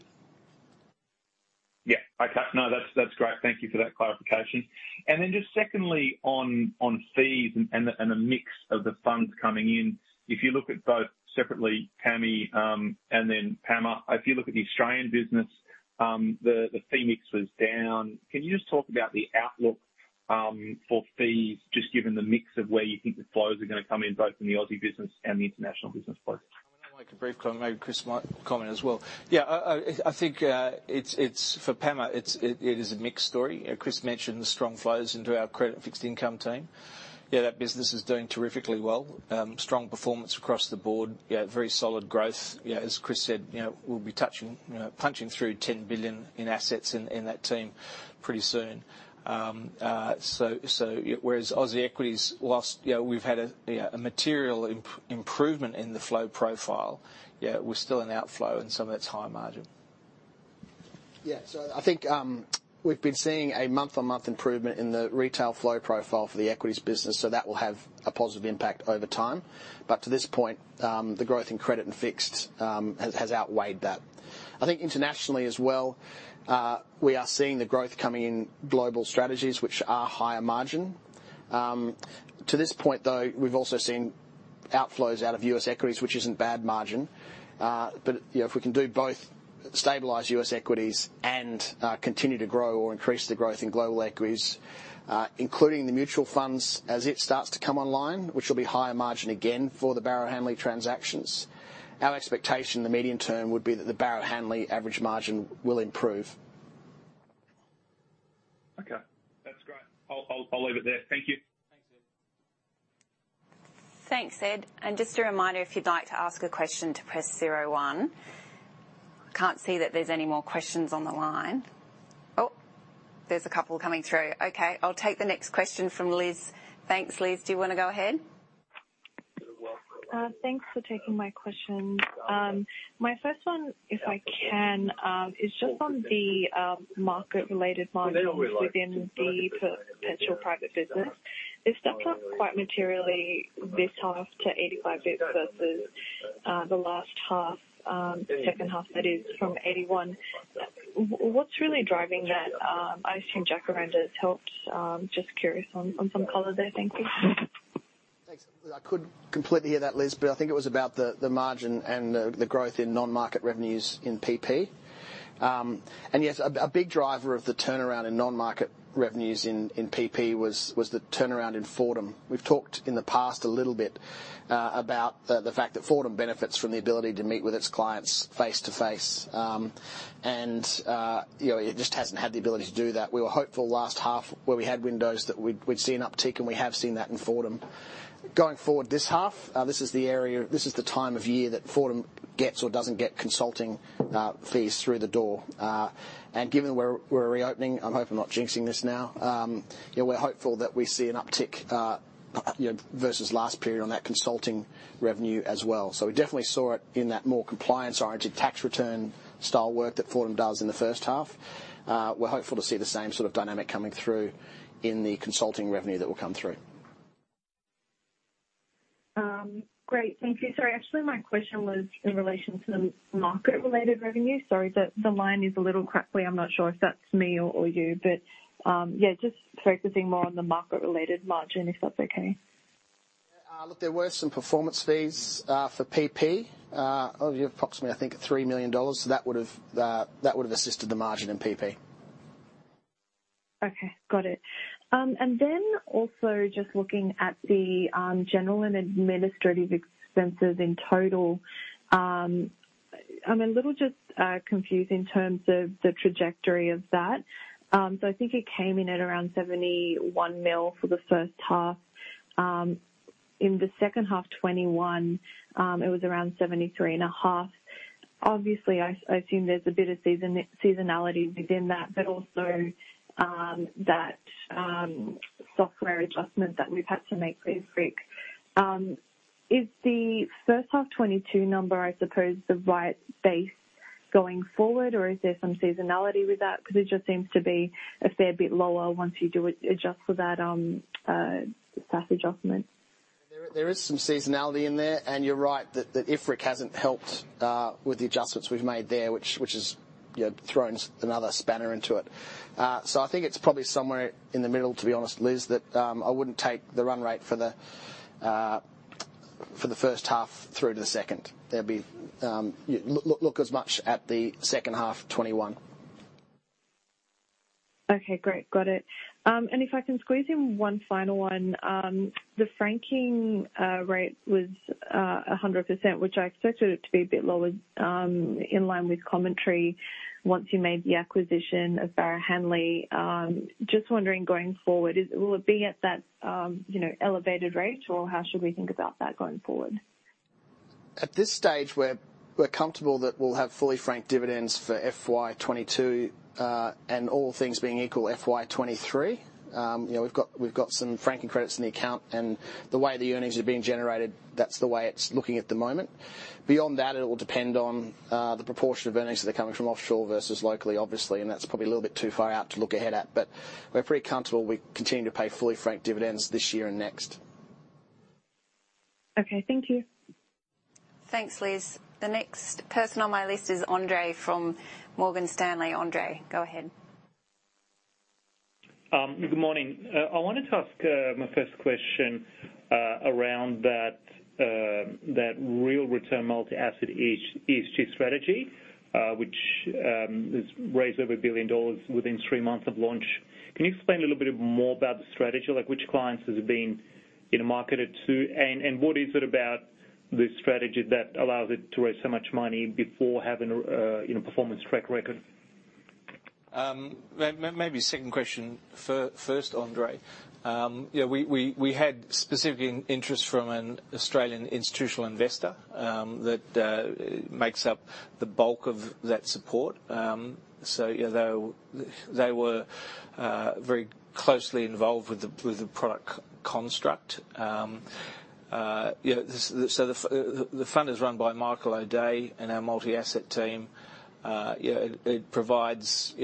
Yeah. Okay. No, that's great. Thank you for that clarification. Just secondly, on fees and the mix of the funds coming in. If you look at both separately, PAMI, and then PAMA. If you look at the Australian business, the fee mix was down. Can you just talk about the outlook for fees, just given the mix of where you think the flows are gonna come in, both in the Aussie business and the international business flows? I mean, I'd like to briefly comment. Maybe Chris might comment as well. Yeah. I think it's for PAMA, it is a mixed story. You know, Chris mentioned the strong flows into our credit fixed income team. Yeah, that business is doing terrifically well. Strong performance across the board. Yeah, very solid growth. You know, as Chris said, you know, we'll be touching, you know, punching through 10 billion in assets in that team pretty soon. So yeah. Whereas Aussie equities, whilst, you know, we've had you know a material improvement in the flow profile, yeah, we're still in outflow, and some of it's high margin. Yeah. I think we've been seeing a month-on-month improvement in the retail flow profile for the equities business, so that will have a positive impact over time. To this point, the growth in credit and fixed has outweighed that. I think internationally as well, we are seeing the growth coming in global strategies which are higher margin. To this point, though, we've also seen outflows out of U.S. equities, which isn't bad margin. You know, if we can do both stabilize U.S. equities and continue to grow or increase the growth in global equities, including the mutual funds as it starts to come online, which will be higher margin again for the Barrow Hanley transactions. Our expectation in the medium term would be that the Barrow Hanley average margin will improve. Okay. That's great. I'll leave it there. Thank you. Thanks, Ed. Thanks, Ed. Just a reminder, if you'd like to ask a question, to press 01. Can't see that there's any more questions on the line. Oh, there's a couple coming through. Okay. I'll take the next question from Liz. Thanks, Liz. Do you wanna go ahead? You're welcome. Thanks for taking my question. My first one, if I can, is just on the market-related margins within the Perpetual Private business. It's stepped up quite materially this half to 85 basis points versus the last half, second half that is from 81. What's really driving that? I assume Jacaranda has helped. Just curious on some color there. Thank you. Thanks. I couldn't completely hear that, Liz, but I think it was about the margin and the growth in non-market revenues in PP. Yes, a big driver of the turnaround in non-market revenues in PP was the turnaround in Fordham. We've talked in the past a little bit about the fact that Fordham benefits from the ability to meet with its clients face-to-face. You know, it just hasn't had the ability to do that. We were hopeful last half where we had windows that we'd see an uptick, and we have seen that in Fordham. Going forward this half, this is the time of year that Fordham gets or doesn't get consulting fees through the door. Given we're reopening, I hope I'm not jinxing this now, you know, we're hopeful that we see an uptick, you know, versus last period on that consulting revenue as well. We definitely saw it in that more compliance-oriented tax return style work that Fordham does in the first half. We're hopeful to see the same sort of dynamic coming through in the consulting revenue that will come through. Great. Thank you. Sorry, actually, my question was in relation to the market-related revenue. Sorry, the line is a little crackly. I'm not sure if that's me or you. Yeah, just focusing more on the market-related margin, if that's okay. Look, there were some performance fees for PP of approximately, I think, 3 million dollars. That would've assisted the margin in PP. Okay. Got it. Also just looking at the general and administrative expenses in total, I'm a little just confused in terms of the trajectory of that. So I think it came in at around 71 million for the first half. In the second half 2021, it was around 73.5 million. Obviously, I assume there's a bit of seasonality within that, but also that software adjustment that we've had to make for IFRIC. Is the first half 2022 number, I suppose, the right base going forward, or is there some seasonality with that? Because it just seems to be a fair bit lower once you adjust for that staff adjustment. There is some seasonality in there, and you're right that IFRIC hasn't helped with the adjustments we've made there, which has, you know, thrown another spanner into it. I think it's probably somewhere in the middle, to be honest, Liz, that I wouldn't take the run rate for the first half through to the second. There'd be. Look as much at the second half 2021. Okay, great. Got it. If I can squeeze in one final one. The franking rate was 100%, which I expected it to be a bit lower, in line with commentary once you made the acquisition of Barrow Hanley. Just wondering going forward, will it be at that, you know, elevated rate, or how should we think about that going forward? At this stage, we're comfortable that we'll have fully franked dividends for FY 2022, and all things being equal, FY 2023. You know, we've got some franking credits in the account and the way the earnings are being generated, that's the way it's looking at the moment. Beyond that, it'll depend on the proportion of earnings that are coming from offshore versus locally, obviously, and that's probably a little bit too far out to look ahead at. We're pretty comfortable we continue to pay fully franked dividends this year and next. Okay. Thank you. Thanks, Liz. The next person on my list is Andrei from Morgan Stanley. Andrei, go ahead. Good morning. I wanted to ask my first question around that real return multi-asset ESG strategy, which has raised over 1 billion dollars within three months of launch. Can you explain a little bit more about the strategy? Like which clients has it been, you know, marketed to, and what is it about this strategy that allows it to raise so much money before having a you know, performance track record? Maybe second question first, Andrei. We had specific interest from an Australian institutional investor that makes up the bulk of that support. They were very closely involved with the product construct. You know, the fund is run by Michael O'Dea and our multi-asset team. You know, it provides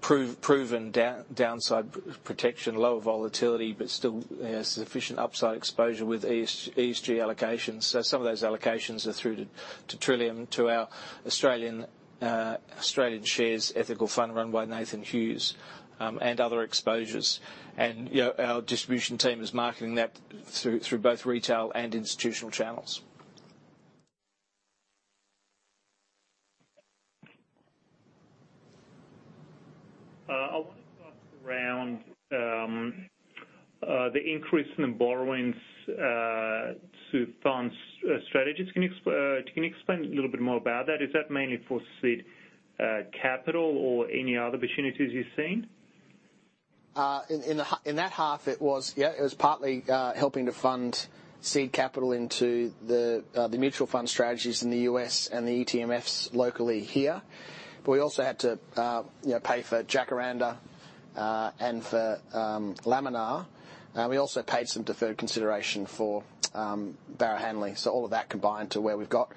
proven downside protection, low volatility, but still sufficient upside exposure with ESG allocations. Some of those allocations are through to Trillium, to our ESG Australian Share Fund run by Nathan Hughes, and other exposures. You know, our distribution team is marketing that through both retail and institutional channels. I wanna talk around the increase in the borrowings to fund strategies. Can you explain a little bit more about that? Is that mainly for seed capital or any other opportunities you're seeing? In that half, it was partly helping to fund seed capital into the mutual fund strategies in the U.S. and the ETMFs locally here. We also had to, you know, pay for Jacaranda and for Laminar. We also paid some deferred consideration for Barrow Hanley. All of that combined to where we've got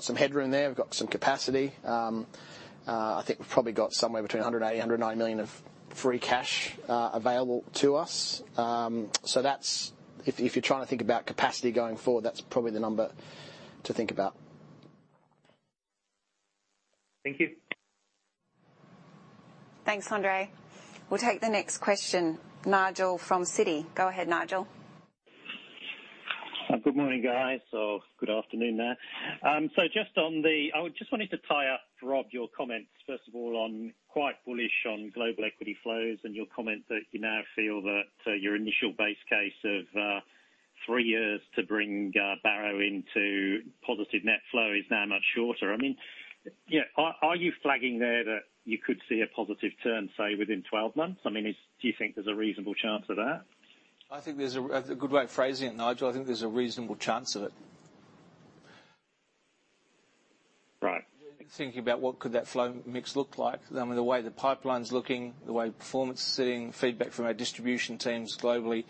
some headroom there. We've got some capacity. I think we've probably got somewhere between 180 million and 190 million of free cash available to us. If you're trying to think about capacity going forward, that's probably the number to think about. Thank you. Thanks, Andrei. We'll take the next question. Nigel from Citi. Go ahead, Nigel. Good morning, guys, or good afternoon there. I just wanted to tie up, Rob, your comments, first of all, on, you're quite bullish on global equity flows and your comment that you now feel that your initial base case of three years to bring Barrow into positive net flow is now much shorter. I mean, yeah, are you flagging there that you could see a positive turn, say, within 12 months? I mean, do you think there's a reasonable chance of that? I think there's a good way of phrasing it, Nigel. I think there's a reasonable chance of it. Right. Thinking about what could that flow mix look like. I mean, the way the pipeline's looking, the way performance is sitting, feedback from our distribution teams globally,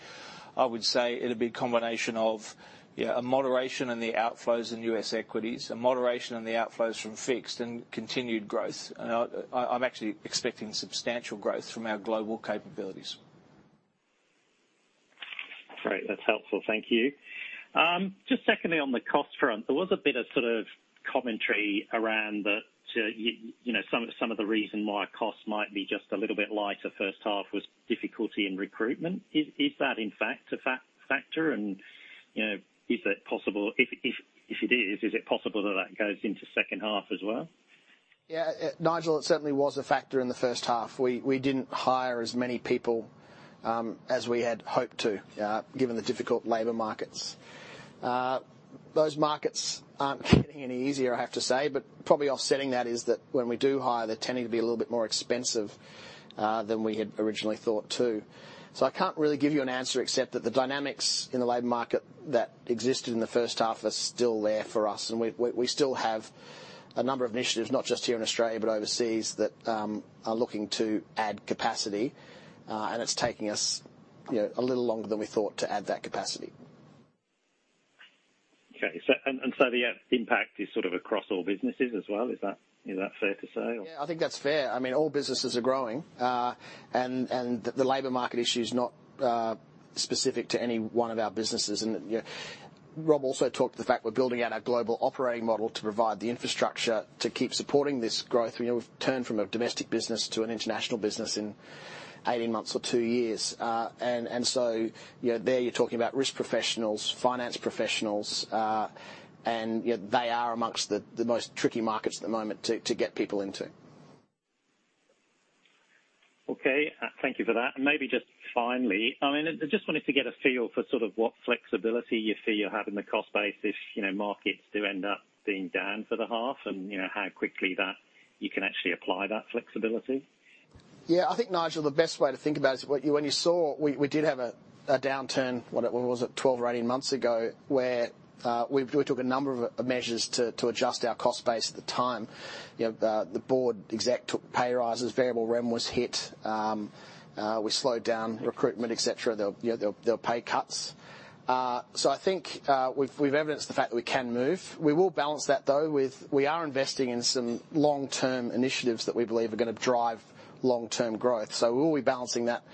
I would say it'd be a combination of, yeah, a moderation in the outflows in U.S. equities, a moderation in the outflows from fixed and continued growth. I'm actually expecting substantial growth from our global capabilities. Great. That's helpful. Thank you. Just secondly, on the cost front, there was a bit of sort of commentary around that, you know, some of the reason why costs might be just a little bit lighter first half was difficulty in recruitment. Is that in fact a factor? You know, is it possible? If it is it possible that that goes into second half as well? Yeah, Nigel, it certainly was a factor in the first half. We didn't hire as many people as we had hoped to, given the difficult labor markets. Those markets aren't getting any easier, I have to say, but probably offsetting that is that when we do hire, they're tending to be a little bit more expensive than we had originally thought, too. So I can't really give you an answer, except that the dynamics in the labor market that existed in the first half are still there for us. We still have a number of initiatives, not just here in Australia, but overseas, that are looking to add capacity. It's taking us, you know, a little longer than we thought to add that capacity. The impact is sort of across all businesses as well. Is that fair to say? Or Yeah, I think that's fair. I mean, all businesses are growing. The labor market issue is not specific to any one of our businesses. You know, Rob also talked about the fact we're building out our global operating model to provide the infrastructure to keep supporting this growth. You know, we've turned from a domestic business to an international business in 18 months or two years. You know, there you're talking about risk professionals, finance professionals, and yet they are amongst the most tricky markets at the moment to get people into. Okay. Thank you for that. Maybe just finally, I mean, I just wanted to get a feel for sort of what flexibility you feel you have in the cost base if, you know, markets do end up being down for the half and, you know, how quickly that you can actually apply that flexibility? Yeah. I think, Nigel, the best way to think about it is what you saw when we had a downturn, what was it? 12 or 18 months ago, where we took a number of measures to adjust our cost base at the time. You know, the board exec took pay raises, variable rem was hit, we slowed down recruitment, et cetera. There were, you know, pay cuts. I think we've evidenced the fact that we can move. We will balance that, though, with we are investing in some long-term initiatives that we believe are gonna drive long-term growth. We will be balancing that.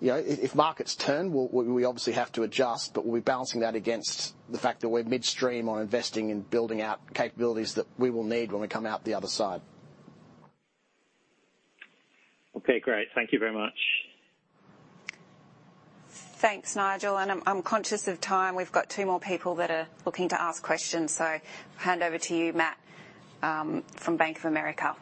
You know, if markets turn, we'll obviously have to adjust, but we'll be balancing that against the fact that we're midstream on investing in building out capabilities that we will need when we come out the other side. Okay, great. Thank you very much. Thanks, Nigel. I'm conscious of time. We've got two more people that are looking to ask questions. Hand over to you, Matt, from Bank of America.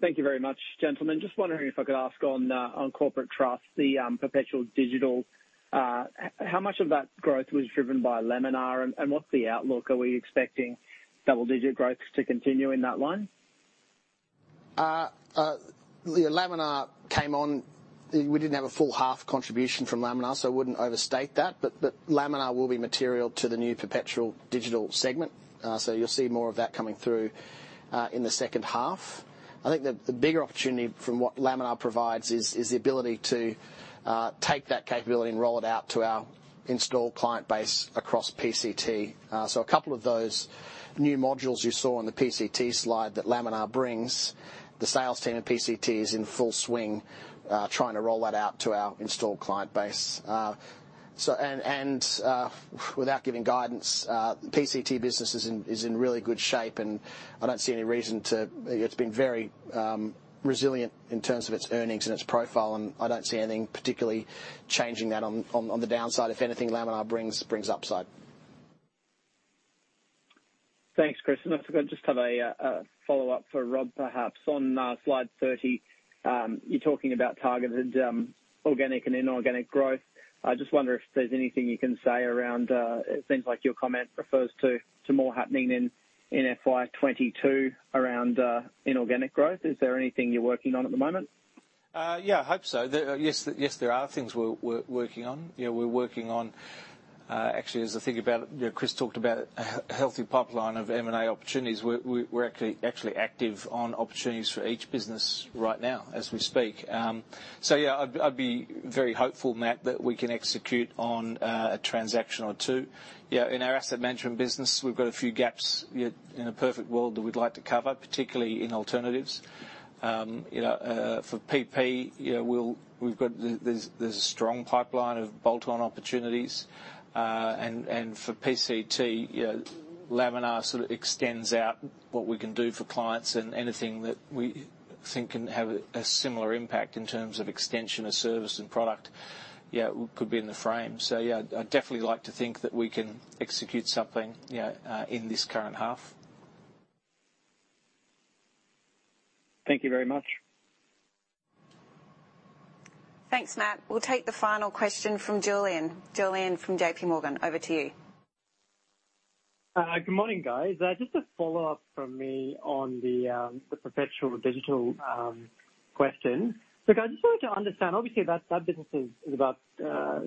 Thank you very much, gentlemen. Just wondering if I could ask on Corporate Trust, the Perpetual Digital, how much of that growth was driven by Laminar and what's the outlook? Are we expecting double-digit growth to continue in that line? Laminar came on. We didn't have a full half contribution from Laminar, so I wouldn't overstate that, but Laminar will be material to the new Perpetual Digital segment. You'll see more of that coming through in the second half. I think the bigger opportunity from what Laminar provides is the ability to take that capability and roll it out to our installed client base across PCT. A couple of those new modules you saw in the PCT slide that Laminar brings, the sales team at PCT is in full swing trying to roll that out to our installed client base. Without giving guidance, PCT business is in really good shape, and I don't see any reason to. It's been very resilient in terms of its earnings and its profile, and I don't see anything particularly changing that on the downside. If anything, Laminar brings upside. Thanks, Chris. If I could just have a follow-up for Rob perhaps. On slide 30, you're talking about targeted organic and inorganic growth. I just wonder if there's anything you can say around. It seems like your comment refers to more happening in FY 2022 around inorganic growth. Is there anything you're working on at the moment? Yeah, I hope so. Yes, there are things we're working on. You know, we're working on actually, as I think about it, you know, Chris talked about a healthy pipeline of M&A opportunities. We're actually active on opportunities for each business right now as we speak. So yeah, I'd be very hopeful, Matt, that we can execute on a transaction or two. Yeah, in our asset management business, we've got a few gaps, you know, in a perfect world that we'd like to cover, particularly in alternatives. You know, for PP, you know, we've got a strong pipeline of bolt-on opportunities. For PCT, you know, Laminar sort of extends out what we can do for clients and anything that we think can have a similar impact in terms of extension of service and product. Yeah, could be in the frame. I'd definitely like to think that we can execute something, you know, in this current half. Thank you very much. Thanks, Matt. We'll take the final question from Julian. Julian from JPMorgan, over to you. Good morning, guys. Just a follow-up from me on the Perpetual Digital question. Look, I just wanted to understand, obviously that business is about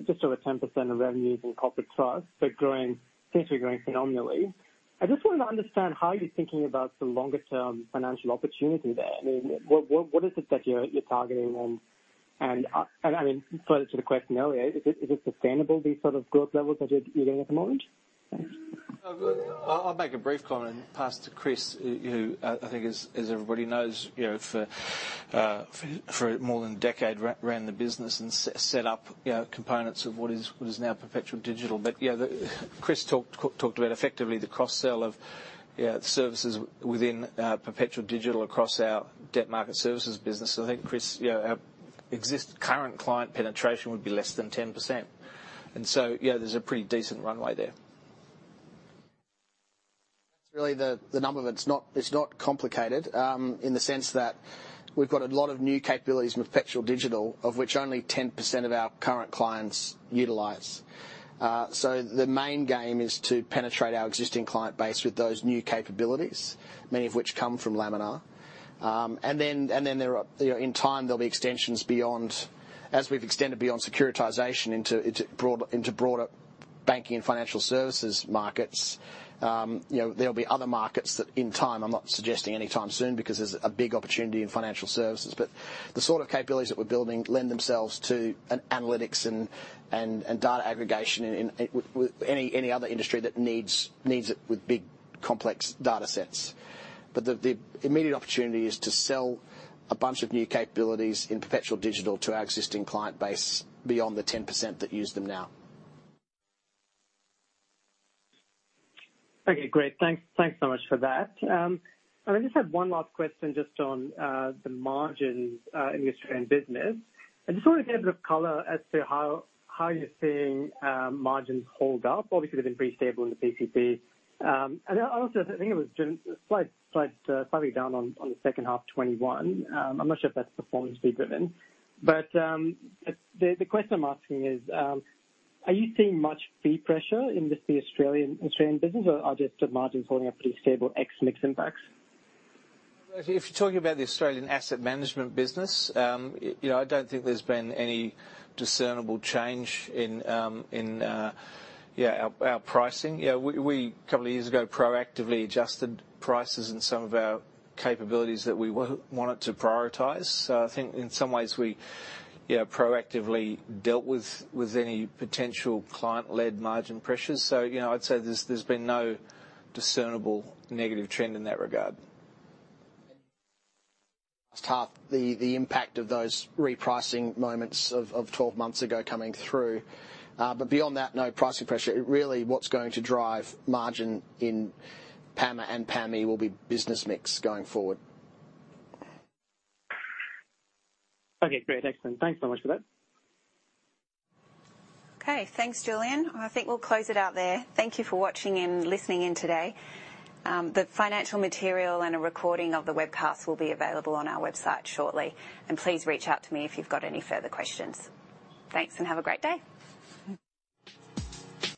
just over 10% of revenues in corporate trust, but growing, seems to be growing phenomenally. I just wanted to understand how you're thinking about the longer term financial opportunity there. I mean, what is it that you're targeting and I mean, further to the question earlier, is it sustainable, these sort of growth levels that you're doing at the moment? Thanks. I'll make a brief comment and pass to Chris, who I think as everybody knows, you know, for more than a decade ran the business and set up, you know, components of what is now Perpetual Digital. You know, Chris talked about effectively the cross-sell of, you know, services within Perpetual Digital across our debt market services business. I think Chris, you know, our existing client penetration would be less than 10%. You know, there's a pretty decent runway there. It's really not complicated in the sense that we've got a lot of new capabilities with Perpetual Digital, of which only 10% of our current clients utilize. So the main game is to penetrate our existing client base with those new capabilities, many of which come from Laminar. And then there are, you know, in time, there'll be extensions beyond as we've extended beyond securitization into broader banking and financial services markets. You know, there'll be other markets that in time, I'm not suggesting any time soon, because there's a big opportunity in financial services, but the sort of capabilities that we're building lend themselves to an analytics and data aggregation in with any other industry that needs it with big complex data sets. The immediate opportunity is to sell a bunch of new capabilities in Perpetual Digital to our existing client base beyond the 10% that use them now. Okay, great. Thanks so much for that. I just had one last question just on the margins in the Australian business. I just wanted to get a bit of color as to how you're seeing margins hold up. Obviously, they've been pretty stable in the PCP. And then also, I think it was slightly down on the second half 2021. I'm not sure if that's performance fee driven. The question I'm asking is, are you seeing much fee pressure in just the Australian business or are just the margins holding up pretty stable ex mix impacts? If you're talking about the Australian asset management business, you know, I don't think there's been any discernible change in our pricing. We couple years ago proactively adjusted prices in some of our capabilities that we wanted to prioritize. I think in some ways we proactively dealt with any potential client-led margin pressures. You know, I'd say there's been no discernible negative trend in that regard. Last half, the impact of those repricing moments of 12 months ago coming through. Beyond that, no pricing pressure. Really what's going to drive margin in PAMA and PAMI will be business mix going forward. Okay, great. Excellent. Thanks so much for that. Okay, thanks, Julian. I think we'll close it out there. Thank you for watching and listening in today. The financial material and a recording of the webcast will be available on our website shortly. Please reach out to me if you've got any further questions. Thanks, and have a great day.